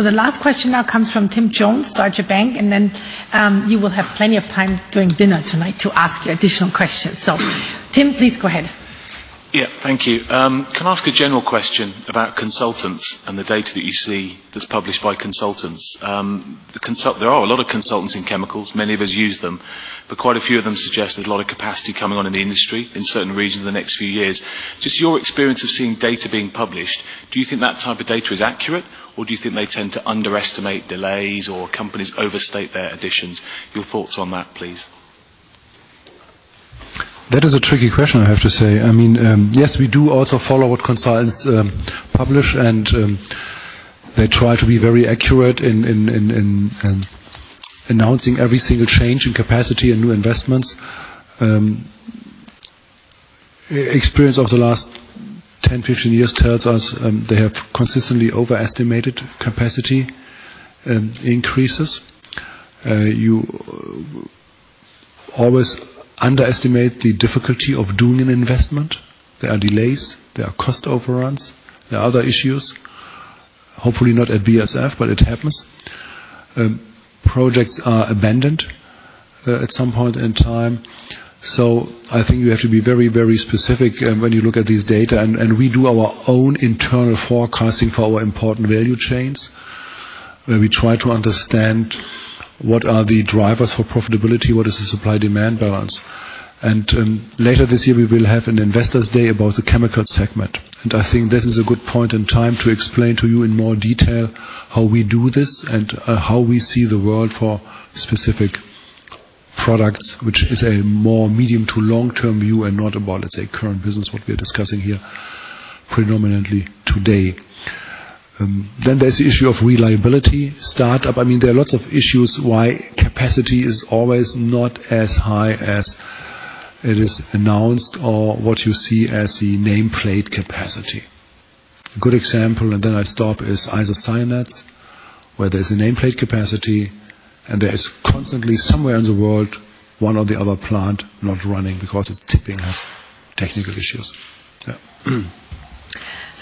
The last question now comes from Tim Jones, Deutsche Bank, and then, you will have plenty of time during dinner tonight to ask your additional questions. Tim, please go ahead. Yeah, thank you. Can I ask a general question about consultants and the data that you see that's published by consultants? There are a lot of consultants in chemicals, many of us use them, but quite a few of them suggest there's a lot of capacity coming on in the industry in certain regions in the next few years. Just your experience of seeing data being published, do you think that type of data is accurate, or do you think they tend to underestimate delays or companies overstate their additions? Your thoughts on that, please. That is a tricky question, I have to say. I mean, yes, we do also follow what consultants publish, and they try to be very accurate in announcing every single change in capacity and new investments. Experience of the last 10, 15 years tells us they have consistently overestimated capacity increases. You always underestimate the difficulty of doing an investment. There are delays, there are cost overruns, there are other issues. Hopefully not at BASF, but it happens. Projects are abandoned at some point in time. I think you have to be very, very specific when you look at these data, and we do our own internal forecasting for our important value chains, where we try to understand what are the drivers for profitability, what is the supply-demand balance. Later this year, we will have an investors day about the chemical segment. I think this is a good point in time to explain to you in more detail how we do this and how we see the world for specific products, which is a more medium to long-term view and not about, let's say, current business, what we are discussing here predominantly today. Then there's the issue of reliability, start up. I mean, there are lots of issues why capacity is always not as high as it is announced or what you see as the nameplate capacity. A good example, and then I stop, is isocyanates, where there's a nameplate capacity, and there is constantly somewhere in the world, one or the other plant not running because it's tripping as technical issues.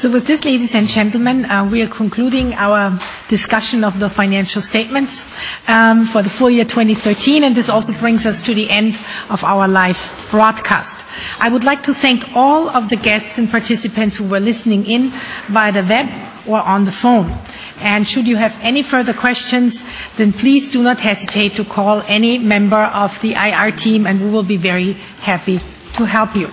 Yeah. With this, ladies and gentlemen, we are concluding our discussion of the financial statements for the full year 2013, and this also brings us to the end of our live broadcast. I would like to thank all of the guests and participants who were listening in via the web or on the phone. Should you have any further questions, then please do not hesitate to call any member of the IR team, and we will be very happy to help you.